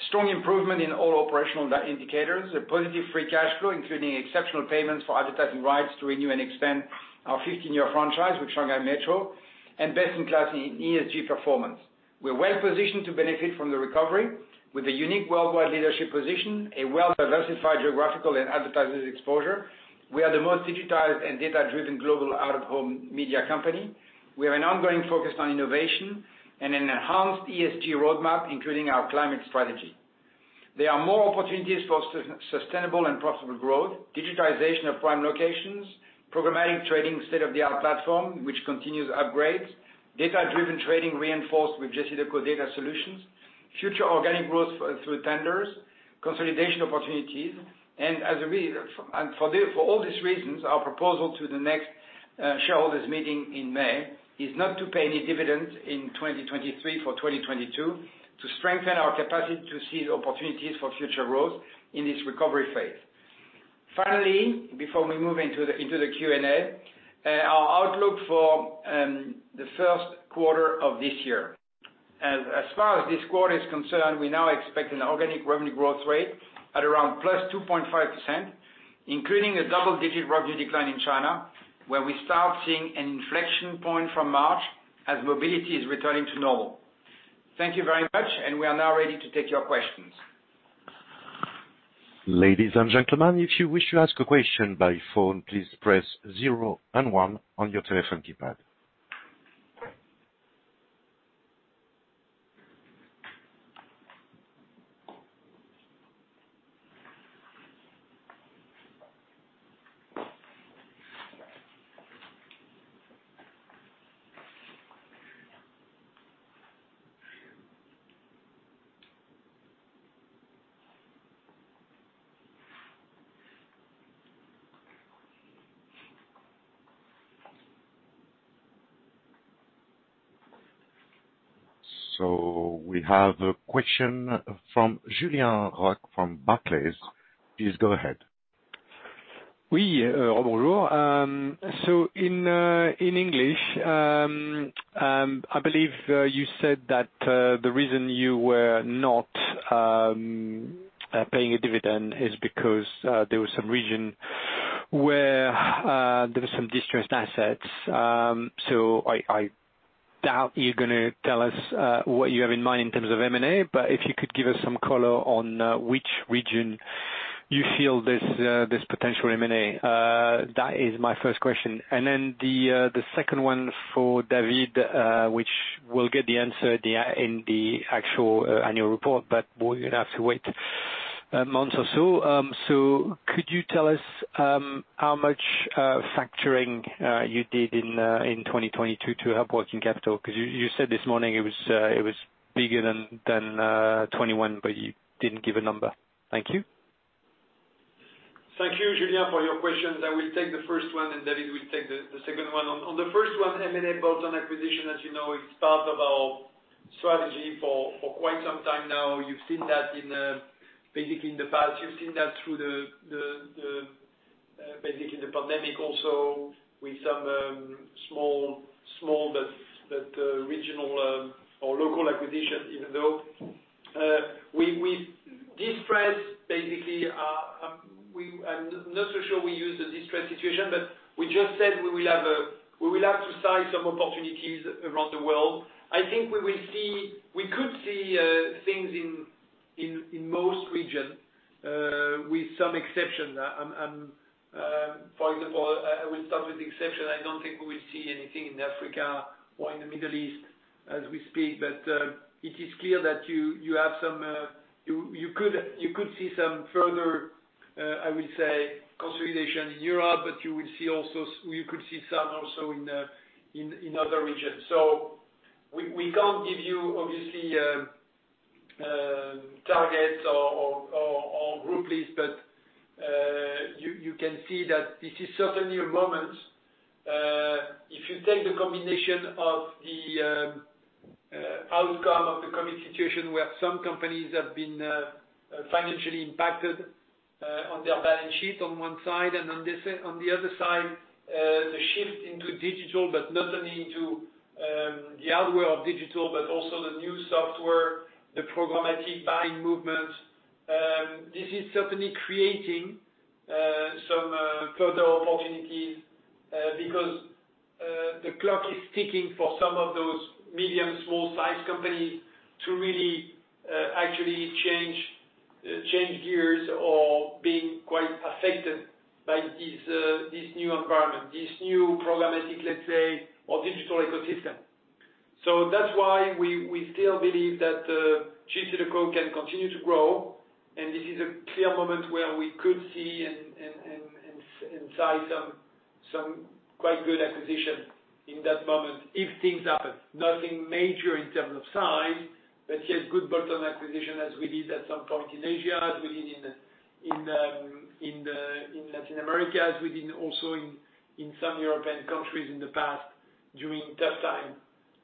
Strong improvement in all operational indicators. A positive free cash flow, including exceptional payments for advertising rights to renew and expand our 15-year franchise with Shanghai Metro, and best in class in ESG performance. We're well positioned to benefit from the recovery with a unique worldwide leadership position, a well-diversified geographical and advertising exposure. We are the most digitized and data-driven global out-of-home media company. We have an ongoing focus on innovation and an enhanced ESG roadmap, including our climate strategy. There are more opportunities for sustainable and profitable growth, digitization of prime locations, programmatic trading state-of-the-art platform which continues upgrades, data-driven trading reinforced with JCDecaux Data Solutions, future organic growth through tenders, consolidation opportunities. For all these reasons, our proposal to the next shareholders meeting in May is not to pay any dividends in 2023 for 2022 to strengthen our capacity to seize opportunities for future growth in this recovery phase. Finally, before we move into the Q&A, our outlook for the first quarter of this year. As far as this quarter is concerned, we now expect an organic revenue growth rate at around +2.5%, including a double-digit revenue decline in China, where we start seeing an inflection point from March as mobility is returning to normal. Thank you very much, and we are now ready to take your questions. Ladies and gentlemen, if you wish to ask a question by phone, please press 0 and 1 on your telephone keypad. We have a question from Julien Roch from Barclays. Please go ahead. h, I believe you said that the reason you were not paying a dividend is because there was some region where there was some distressed assets. I doubt you're going to tell us what you have in mind in terms of M&A, but if you could give us some color on which region you feel there is potential M&A, that is my first question. The second one for David, which we will get the answer in the actual annual report, but we are going to have to wait a month or so. Could you tell us how much factoring you did in 2022 to help working capital? 'Cause you said this morning it was bigger than 2021. You didn't give a number. Thank you. Thank you, Julien, for your questions. I will take the first one, and David will take the second one. On the first one, M&A bolt-on acquisition, as you know, it's part of our... Strategy for quite some time now. You've seen that in basically in the past. You've seen that through the basically the pandemic also with some small but regional or local acquisitions, even though we distress basically, I'm not so sure we use the distress situation, but we just said we will have to size some opportunities around the world. I think we could see things in most regions with some exceptions. I'm. For example, I will start with the exception. I don't think we will see anything in Africa or in the Middle East as we speak, but it is clear that you have some, you could see some further, I would say, consolidation in Europe, but you will see also you could see some also in other regions. We can't give you obviously, targets or, or group list, but you can see that this is certainly a moment. If you take the combination of the outcome of the current situation, where some companies have been financially impacted on their balance sheet on one side and on the other side, the shift into digital, but not only into the hardware of digital, but also the new software, the programmatic buying movement. This is certainly creating some further opportunities because the clock is ticking for some of those medium, small size companies to really actually change gears or being quite affected by this new environment, this new programmatic, let's say, or digital ecosystem. That's why we still believe that JCDecaux can continue to grow, and this is a clear moment where we could see and sign some quite good acquisitions in that moment if things happen. Nothing major in terms of size. Yes, good bottom acquisition as we did at some point in Asia, as we did in Latin America, as we did also in some European countries in the past during tough time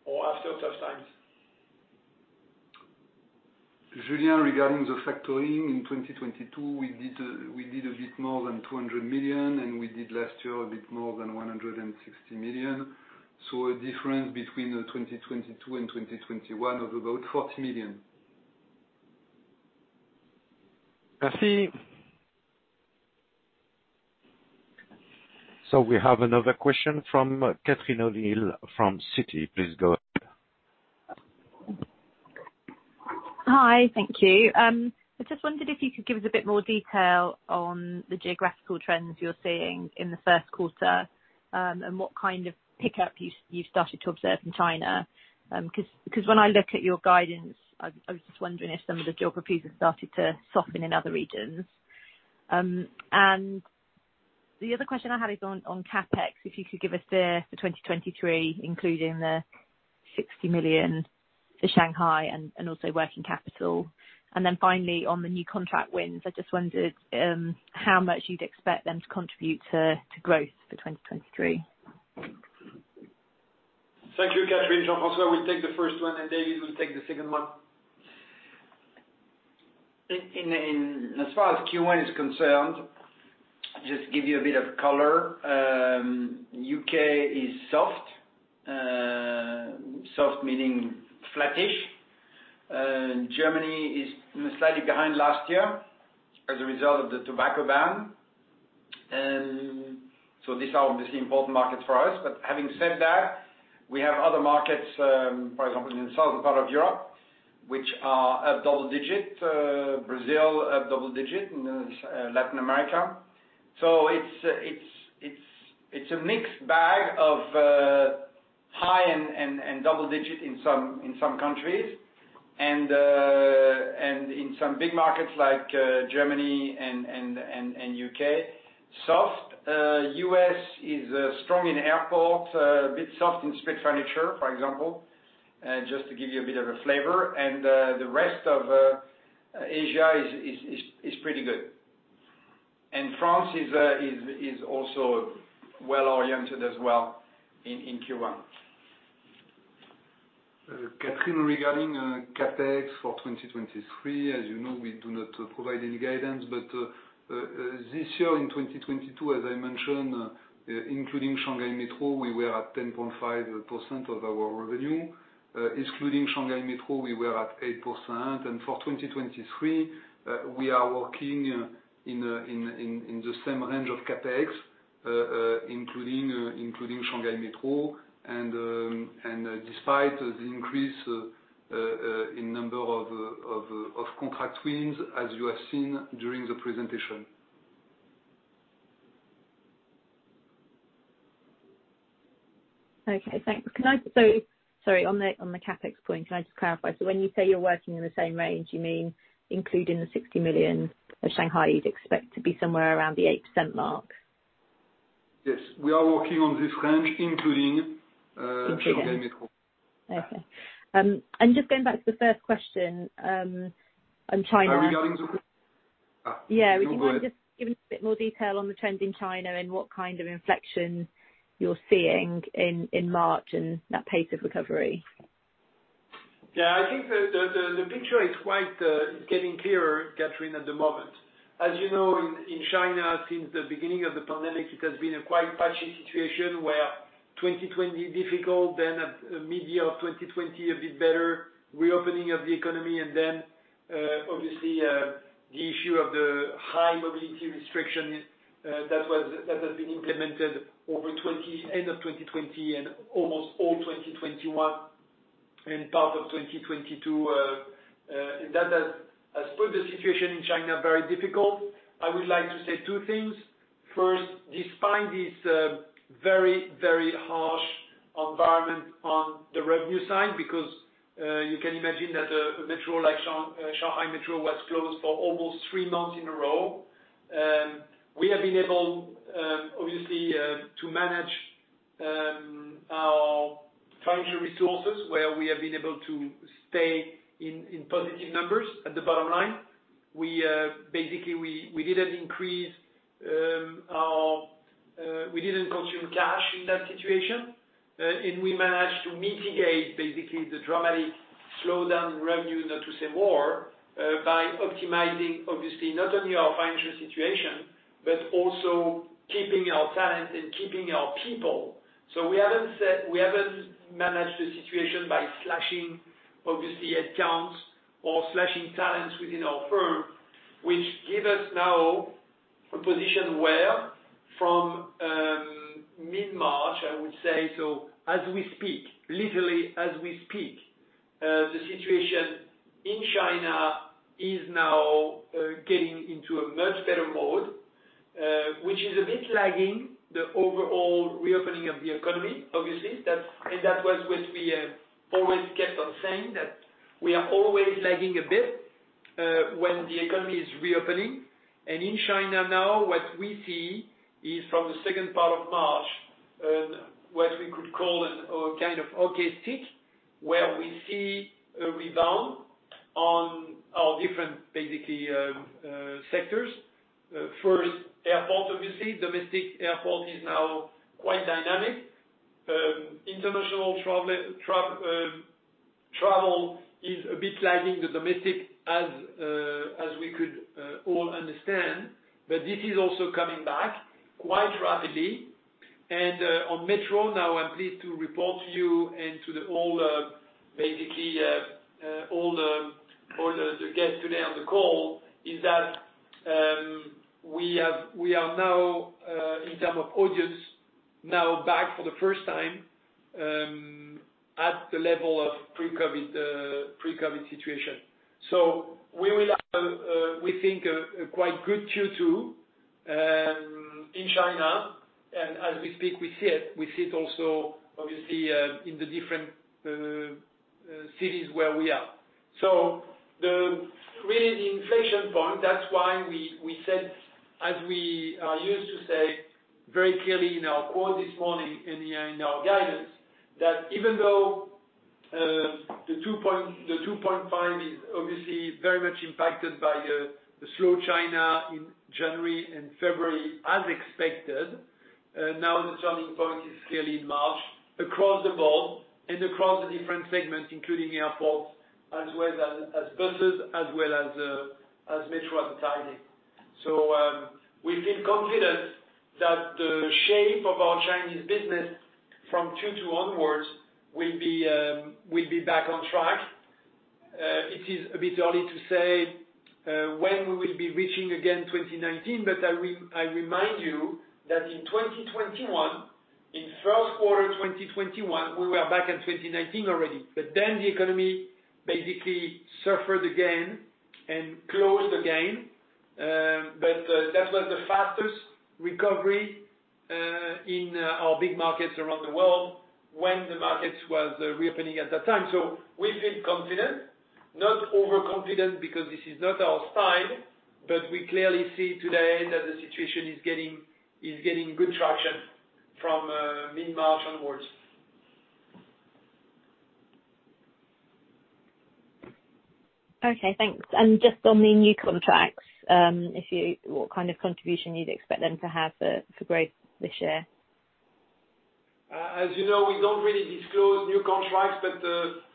or after tough times. Julien, regarding the factoring in 2022, we did a bit more than 200 million, and we did last year a bit more than 160 million. A difference between the 2022 and 2021 of about 40 million. Merci. We have another question from Catherine O'Neill from Citi. Please go ahead. Hi. Thank you. I just wondered if you could give us a bit more detail on the geographical trends you're seeing in the first quarter, and what kind of pickup you've started to observe in China, 'cause when I look at your guidance, I was just wondering if some of the geographies have started to soften in other regions. The other question I had is on CapEx, if you could give us for 2023, including 60 million for Shanghai and also working capital. Finally, on the new contract wins, I just wondered how much you'd expect them to contribute to growth for 2023. Thank you, Catherine. Jean-François, we'll take the first one, and David will take the second one. In as far as Q1 is concerned, just give you a bit of color. UK is soft. Soft meaning flattish. Germany is slightly behind last year as a result of the tobacco ban. These are obviously important markets for us. Having said that, we have other markets, for example, in the southern part of Europe, which are at double digit, Brazil at double digit in Latin America. It's a mixed bag of high and double digit in some, in some countries. In some big markets like Germany and UK. Soft. US is strong in airport, a bit soft in Street Furniture, for example, just to give you a bit of a flavor. The rest of Asia is pretty good. France is also well-oriented as well in Q1. Catherine, regarding CapEx for 2023, as you know, we do not provide any guidance. This year in 2022, as I mentioned, including Shanghai Metro, we were at 10.5% of our revenue. Excluding Shanghai Metro, we were at 8%. For 2023, we are working in the same range of CapEx, including Shanghai Metro and despite the increase in number of contract wins, as you have seen during the presentation. Okay. Thanks. Sorry, on the CapEx point, can I just clarify? When you say you're working in the same range, you mean including the 60 million of Shanghai, you'd expect to be somewhere around the 8% mark? Yes. We are working on this range, including. Including- Shanghai Metro. Okay. just going back to the first question, on China- Regarding the- Yeah. Would you mind just giving us a bit more detail on the trend in China and what kind of inflection you're seeing in March and that pace of recovery? Yeah. I think the picture is quite getting clearer, Catherine, at the moment. As you know, in China, since the beginning of the pandemic, it has been a quite patchy situation where 2020 difficult, then at mid-year of 2020, a bit better, reopening of the economy and then, obviously, the issue of the high mobility restriction that has been implemented over end of 2020 and almost all 2021 and part of 2022. That has put the situation in China very difficult. I would like to say 2 things. First, despite this very, very harsh environment on the revenue side, because you can imagine that a metro like Shanghai Metro was closed for almost 3 months in a row. We have been able, obviously, to manage our financial resources, where we have been able to stay in positive numbers at the bottom line. We, basically, didn't increase our, we didn't consume cash in that situation. We managed to mitigate basically the dramatic slowdown in revenue, not to say more, by optimizing, obviously, not only our financial situation, but also keeping our talent and keeping our people. We haven't managed the situation by slashing, obviously, accounts or slashing talents within our firm, which give us now a position where from mid-March, I would say, so as we speak, literally as we speak, the situation in China is now getting into a much better mode, which is a bit lagging the overall reopening of the economy. Obviously, that was what we always kept on saying, that we are always lagging a bit when the economy is reopening. In China now, what we see is from the second part of March, what we could call a kind of hockey stick, where we see a rebound on our different, basically, sectors. First, airport, obviously. Domestic airport is now quite dynamic. International travel is a bit lagging the domestic as we could all understand, this is also coming back quite rapidly. On Metro, now I'm pleased to report to you and to the all the, basically, all the guests today on the call, is that we are now in term of audience, now back for the first time at the level of pre-COVID situation. We will have, we think, a quite good Q2 in China. As we speak, we see it. We see it also obviously, in the different cities where we are. The really the inflection point, that's why we said, as we are used to say very clearly in our call this morning, in our guidance, that even though the 2.5 is obviously very much impacted by the slow China in January and February as expected, now the turning point is clearly in March across the board and across the different segments, including airports, as well as buses, as well as metro advertising. We feel confident that the shape of our Chinese business from Q2 onwards will be back on track. It is a bit early to say when we will be reaching again 2019, but I remind you that in 2021, in first quarter 2021, we were back at 2019 already. The economy basically suffered again and closed again. but that was the fastest recovery in our big markets around the world when the markets was reopening at that time. We feel confident, not overconfident, because this is not our style, but we clearly see today that the situation is getting good traction from mid-March onwards. Okay, thanks. Just on the new contracts, what kind of contribution you'd expect them to have for growth this year? As you know, we don't really disclose new contracts,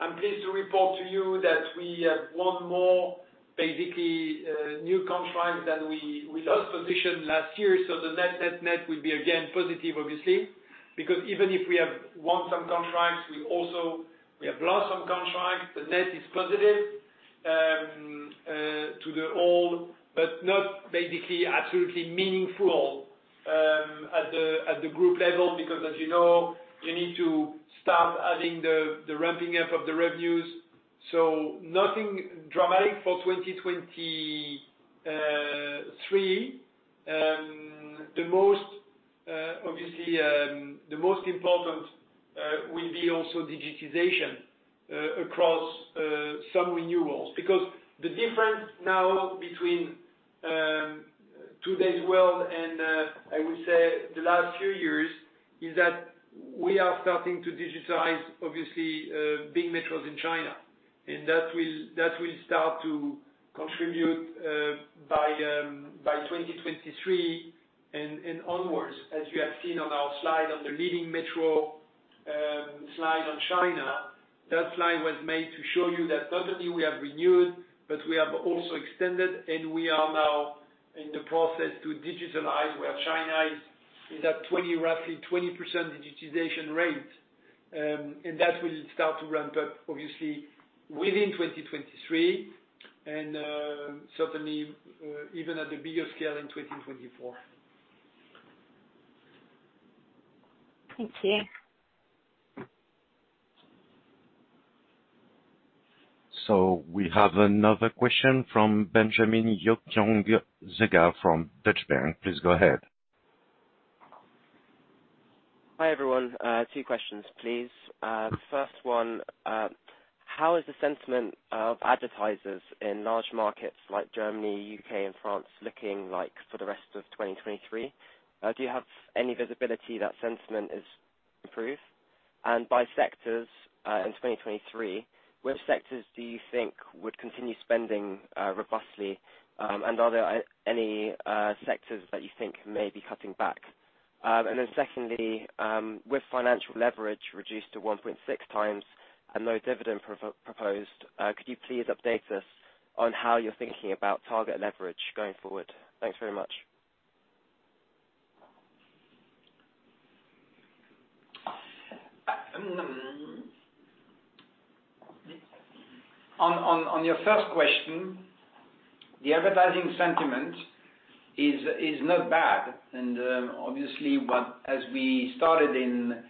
I'm pleased to report to you that we have won more new contracts than we lost position last year. The net will be again positive, obviously. Even if we have won some contracts, we have lost some contracts. The net is positive to the all, but not absolutely meaningful at the group level because as you know, you need to start adding the ramping up of the revenues. Nothing dramatic for 2023. The most obviously important will be also digitization across some renewals. The difference now between Today's world, I would say the last few years, is that we are starting to digitize big metros in China. That will start to contribute by 2023 and onwards. As you have seen on our Slide on the leading metro Slide on China, that Slide was made to show you that not only we have renewed, but we have also extended, and we are now in the process to digitalize where China is at roughly 20% digitization rate. That will start to ramp up obviously within 2023 and certainly even at a bigger scale in 2024. Thank you. We have another question from Benjamin Yokyong-Zoega from Deutsche Bank. Please go ahead. Hi, everyone. Two questions, please. The first one, how is the sentiment of advertisers in large markets like Germany, U.K. and France looking like for the rest of 2023? Do you have any visibility that sentiment is improved? By sectors, in 2023, which sectors do you think would continue spending robustly? Are there any sectors that you think may be cutting back? Secondly, with financial leverage reduced to 1.6x and no dividend proposed, could you please update us on how you're thinking about target leverage going forward? Thanks very much. On your first question, the advertising sentiment is not bad. Obviously, as we started in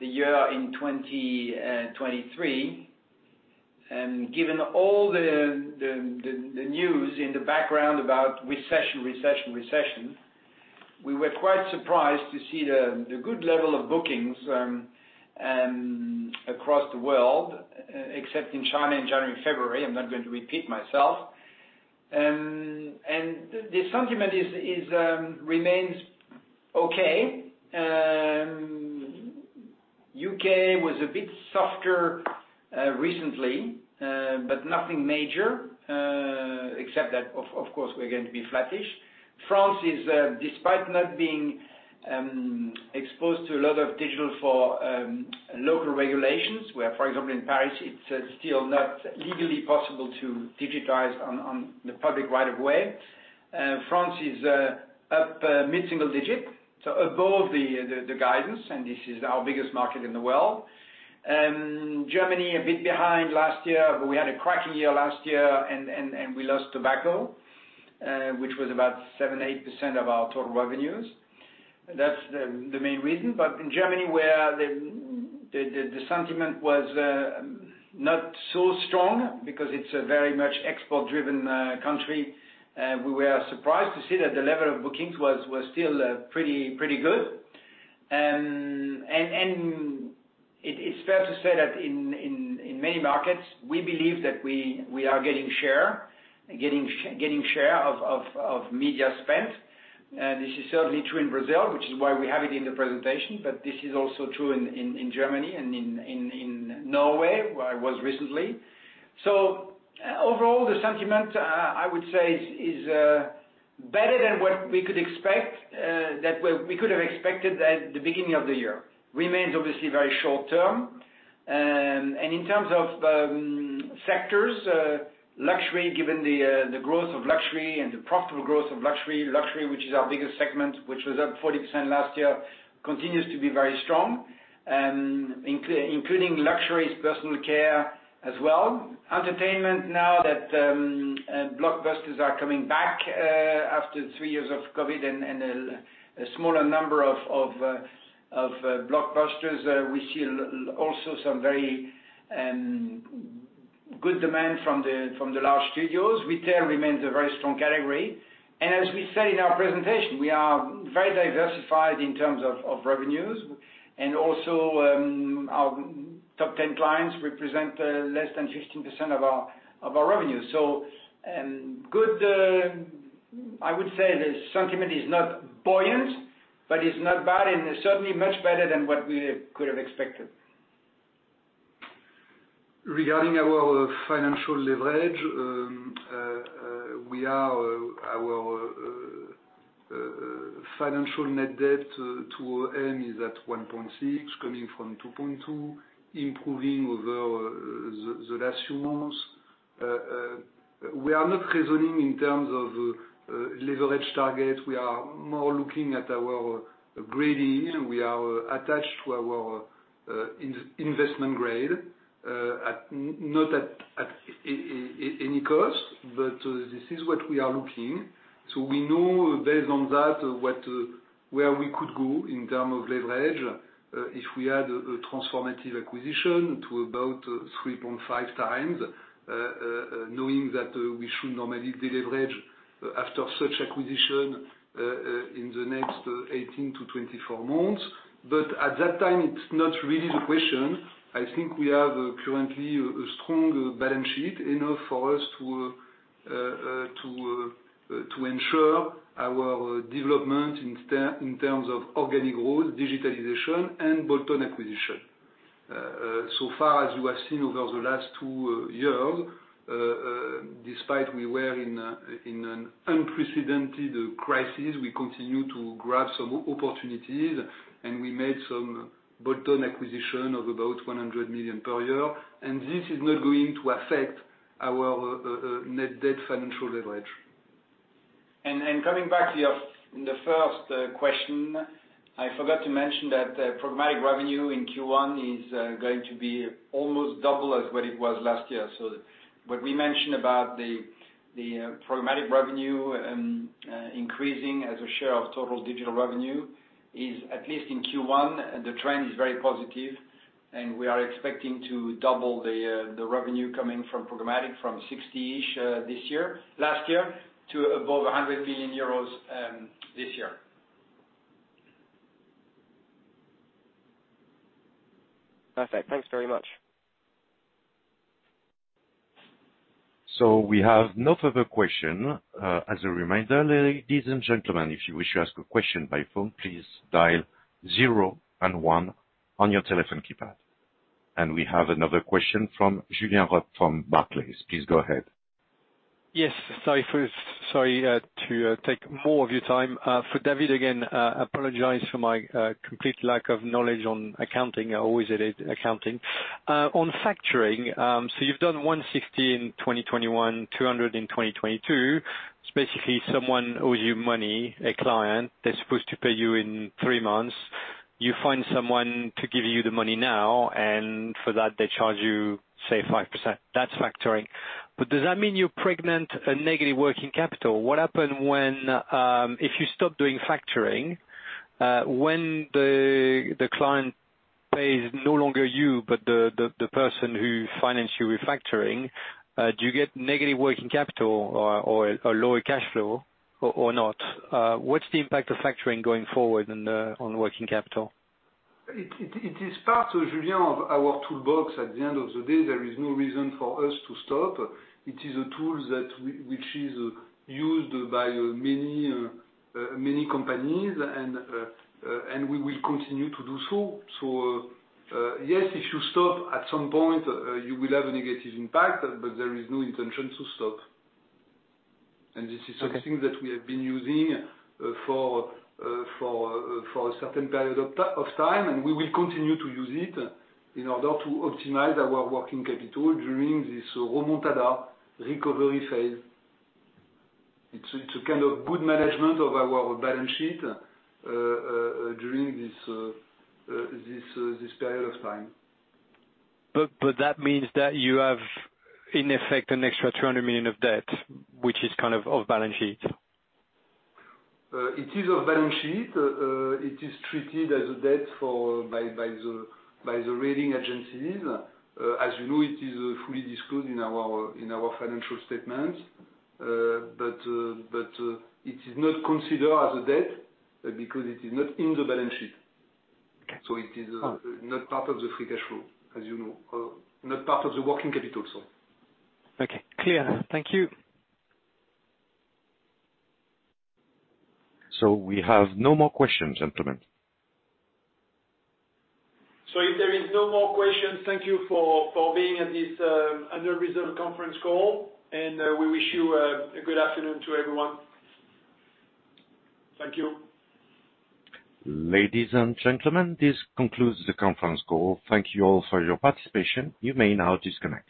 the year in 2023, and given all the news in the background about recession, recession, we were quite surprised to see the good level of bookings across the world, except in China, in January and February, I'm not going to repeat myself. The sentiment remains okay. U.K. was a bit softer recently, nothing major, except that of course, we're going to be flattish. France is, despite not being exposed to a lot of digital for local regulations, where, for example, in Paris, it's still not legally possible to digitize on the public right of way. France is up mid-single digit, so above the guidance, and this is our biggest market in the world. Germany, a bit behind last year, but we had a cracking year last year and we lost tobacco, which was about 7, 8% of our total revenues. That's the main reason. In Germany, where the sentiment was not so strong because it's a very much export-driven country, we were surprised to see that the level of bookings was still pretty good. It's fair to say that in many markets, we believe that we are getting share, getting share of media spent. This is certainly true in Brazil, which is why we have it in the presentation, but this is also true in Germany and in Norway, where I was recently. Overall, the sentiment, I would say is better than what we could expect that we could have expected at the beginning of the year. Remains obviously very short term. In terms of sectors, luxury, given the growth of luxury and the profitable growth of luxury, which is our biggest segment, which was up 40% last year, continues to be very strong. Including luxuries personal care as well. Entertainment now that blockbusters are coming back after 3 years of COVID and a smaller number of blockbusters. We see also some very good demand from the large studios. Retail remains a very strong category. As we said in our presentation, we are very diversified in terms of revenues. Our top 10 clients represent less than 15% of our revenue. Good, I would say the sentiment is not buoyant, but it's not bad, and it's certainly much better than what we could have expected. Regarding our financial leverage, our financial net debt to aim is at 1.6, coming from 2.2, improving over the last few months. We are not reasoning in terms of leverage targets. We are more looking at our grading. We are attached to our investment grade at any cost, but this is what we are looking. We know based on that, what where we could go in term of leverage if we had a transformative acquisition to about 3.5x, knowing that we should normally deleverage after such acquisition in the next 18-24 months. At that time, it's not really the question. I think we have currently a strong balance sheet enough for us to ensure our development in terms of organic growth, digitalization, and bolt-on acquisition. So far as you have seen over the last two years, despite we were in an unprecedented crisis, we continue to grab some opportunities and we made some bolt-on acquisition of about 100 million per year. This is not going to affect our net debt financial leverage. Coming back to your in the first question, I forgot to mention that programmatic revenue in Q1 is going to be almost double as what it was last year. What we mentioned about the programmatic revenue increasing as a share of total digital revenue is at least in Q1, the trend is very positive and we are expecting to double the revenue coming from programmatic from 60-ish last year to above 100 million euros this year. Perfect. Thanks very much. We have no further question. As a reminder, ladies and gentlemen, if you wish to ask a question by phone, please dial 0 and 1 on your telephone keypad. We have another question from Julien Roch from Barclays. Please go ahead. Yes. Sorry to take more of your time. For David Bourg again, apologize for my complete lack of knowledge on accounting. I always hated accounting. On factoring, you've done 160 in 2021, 200 in 2022. It's basically someone owes you money, a client that's supposed to pay you in three months. You find someone to give you the money now, for that, they charge you, say, 5%. That's factoring. Does that mean you're pregnant a negative working capital? What happens when if you stop doing factoring, when the client pays no longer you, but the person who financed you with factoring, do you get negative working capital or a lower cash flow or not? What's the impact of factoring going forward on working capital? It is part of, Julien, our toolbox. At the end of the day, there is no reason for us to stop. It is a tool which is used by many companies and we will continue to do so. Yes, if you stop at some point, you will have a negative impact, but there is no intention to stop. Okay. This is something that we have been using for a certain period of time, and we will continue to use it in order to optimize our working capital during this remontada recovery phase. It's a kind of good management of our balance sheet during this period of time. That means that you have, in effect, an extra 200 million of debt, which is kind of off balance sheet. It is off balance sheet. It is treated as a debt by the rating agencies. As you know, it is fully disclosed in our financial statements. It is not considered as a debt because it is not in the balance sheet. Okay. It is not part of the free cash flow, as you know, not part of the working capital also. Okay. Clear. Thank you. We have no more questions, gentlemen. If there is no more questions, thank you for being at this, under reserve conference call, and we wish you a good afternoon to everyone. Thank you. Ladies and gentlemen, this concludes the conference call. Thank you all for your participation. You may now disconnect.